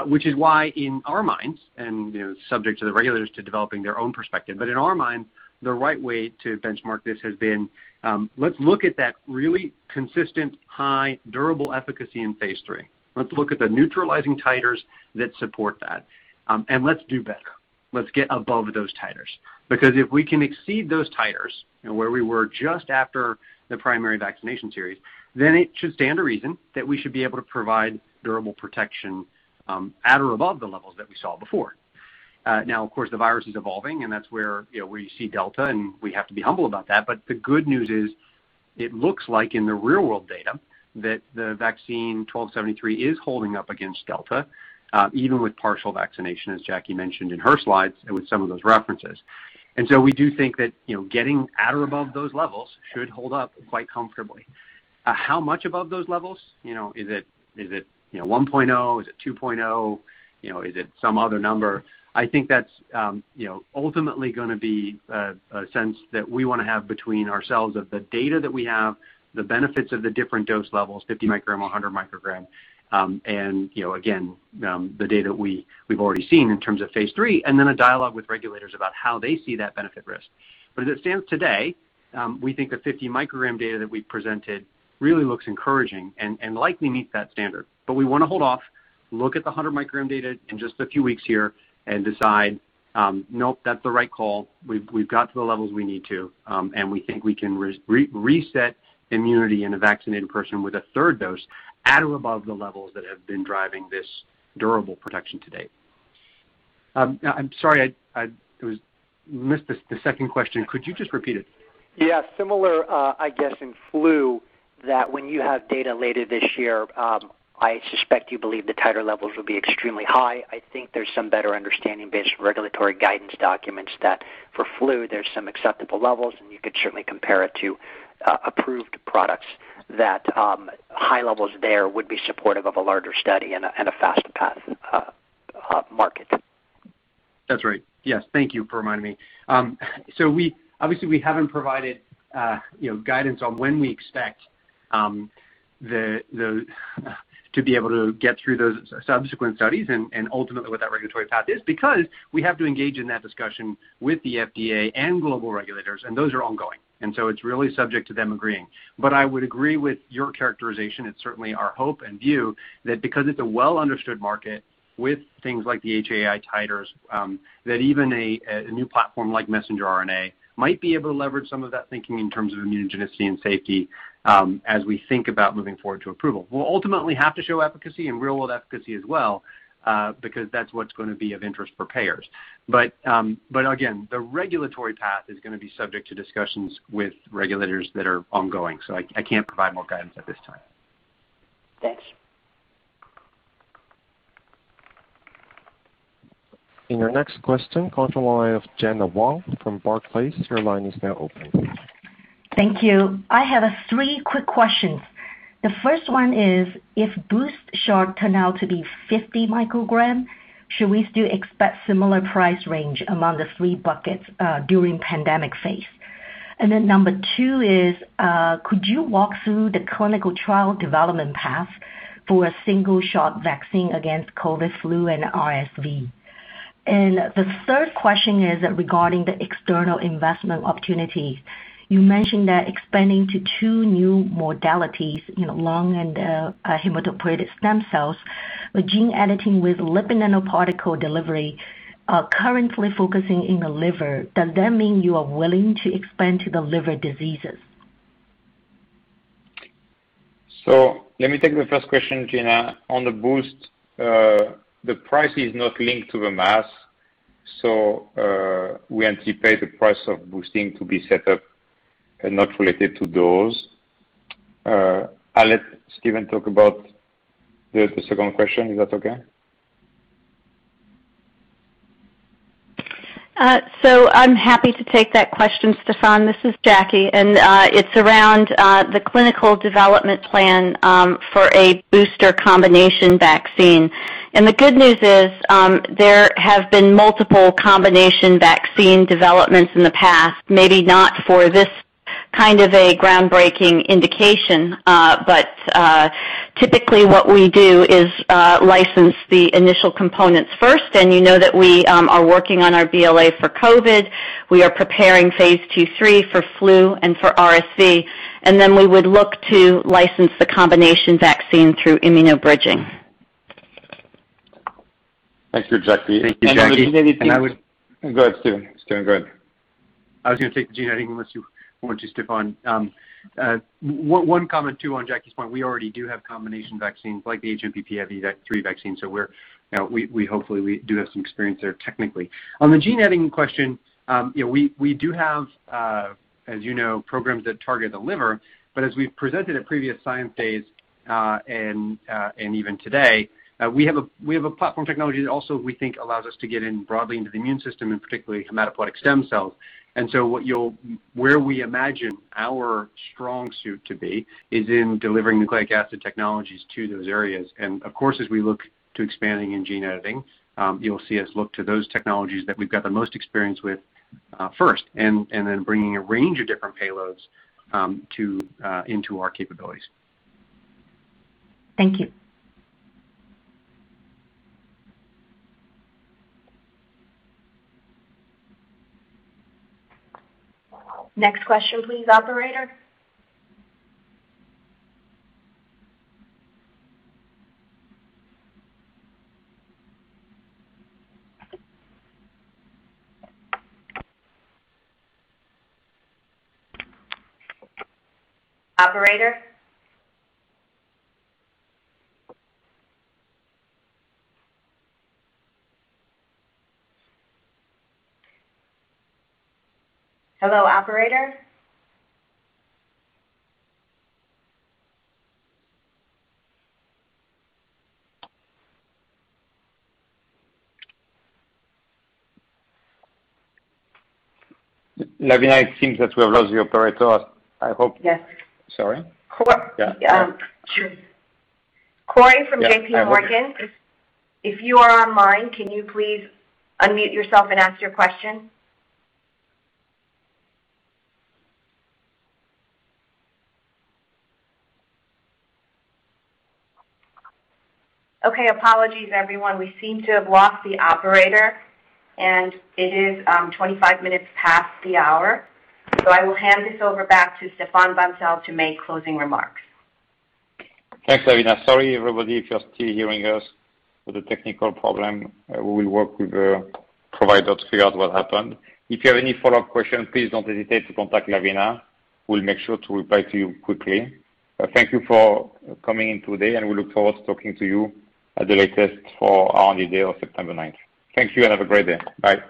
Which is why in our minds and subject to the regulators to developing their own perspective, but in our minds, the right way to benchmark this has been, let's look at that really consistent, high, durable efficacy in phase III. Let's look at the neutralizing titers that support that, let's do better. Let's get above those titers. If we can exceed those titers where we were just after the primary vaccination series, then it should stand to reason that we should be able to provide durable protection at or above the levels that we saw before. Of course, the virus is evolving, and that's where we see Delta, and we have to be humble about that. The good news is, it looks like in the real-world data that the vaccine mRNA-1273 is holding up against Delta, even with partial vaccination, as Jackie mentioned in her slides with some of those references. We do think that getting at or above those levels should hold up quite comfortably. How much above those levels, is it 1.0? Is it 2.0? Is it some other number? I think that's ultimately going to be a sense that we want to have between ourselves of the data that we have, the benefits of the different dose levels, 50 microgram, 100 microgram, and again, the data we've already seen in terms of phase III, and then a dialogue with regulators about how they see that benefit risk. As it stands today, we think the 50 microgram data that we presented really looks encouraging and likely meets that standard. We want to hold off, look at the 100 microgram data in just a few weeks here, and decide, nope, that's the right call. We've got to the levels we need to. We think we can reset immunity in a vaccinated person with a third dose at or above the levels that have been driving this durable protection to date. I'm sorry, I missed the second question. Could you just repeat it? Similar, I guess, in flu, that when you have data later this year, I suspect you believe the titer levels will be extremely high. I think there's some better understanding based on regulatory guidance documents that for flu, there's some acceptable levels, and you could certainly compare it to approved products that high levels there would be supportive of a larger study and a faster path to market. That's right. Yes. Thank you for reminding me. Obviously we haven't provided guidance on when we expect to be able to get through those subsequent studies and ultimately what that regulatory path is, because we have to engage in that discussion with the FDA and global regulators, and those are ongoing. It's really subject to them agreeing. I would agree with your characterization. It's certainly our hope and view that because it's a well-understood market with things like the HAI titers, that even a new platform like messenger RNA might be able to leverage some of that thinking in terms of immunogenicity and safety as we think about moving forward to approval. We'll ultimately have to show efficacy and real-world efficacy as well, because that's what's going to be of interest for payers. Again, the regulatory path is going to be subject to discussions with regulators that are ongoing. I can't provide more guidance at this time. Thanks. Your next question comes from the line of Gena Wang from Barclays. Your line is now open. Thank you. I have three quick questions. The first one is, if boost shot turn out to be 50 microgram, should we still expect similar price range among the three buckets during pandemic phase? Number two is, could you walk through the clinical trial development path for a single shot vaccine against COVID flu and RSV? The third question is regarding the external investment opportunities. You mentioned that expanding to two new modalities, lung and hematopoietic stem cells with gene editing with lipid nanoparticle delivery are currently focusing in the liver. Does that mean you are willing to expand to the liver diseases? Let me take the first question, Gena. On the boost, the price is not linked to the mass. We anticipate the price of boosting to be set up and not related to those. I will let Stephen talk about the second question. Is that okay? I'm happy to take that question, Stéphane. This is Jackie, and it's around the clinical development plan for a booster combination vaccine. The good news is, there have been multiple combination vaccine developments in the past, maybe not for this kind of a groundbreaking indication, but typically what we do is license the initial components first, and you know that we are working on our BLA for COVID. We are preparing phase II/III for flu and for RSV, and then we would look to license the combination vaccine through immuno-bridging. Thank you, Jackie. Thank you, Jacqueline. Go ahead, Stephen. Stephen, go ahead. I was going to take the gene editing, unless you wanted to, Stéphane. One comment, too, on Jackie's point. We already do have combination vaccines like the hMPV/PIV3 vaccine, so we hopefully do have some experience there technically. On the gene editing question, we do have programs that target the liver, but as we've presented at previous Science Days, and even today, we have a platform technology that also we think allows us to get in broadly into the immune system and particularly hematopoietic stem cells. Where we imagine our strong suit to be is in delivering nucleic acid technologies to those areas. Of course, as we look to expanding in gene editing, you'll see us look to those technologies that we've got the most experience with first, and then bringing a range of different payloads into our capabilities. Thank you. Next question please, operator. Operator? Hello, operator? Lavina, it seems that we have lost the operator. Yes. Sorry? Cory from JPMorgan, if you are online, can you please unmute yourself and ask your question? Okay, apologies everyone. We seem to have lost the operator, and it is 25 minutes past the hour, so I will hand this over back to Stéphane Bancel to make closing remarks. Thanks, Lavina. Sorry everybody if you're still hearing us with a technical problem. We will work with the provider to figure out what happened. If you have any follow-up questions, please don't hesitate to contact Lavina. We'll make sure to reply to you quickly. Thank you for coming in today, and we look forward to talking to you at the latest for our September 9th. Thank you, and have a great day. Bye.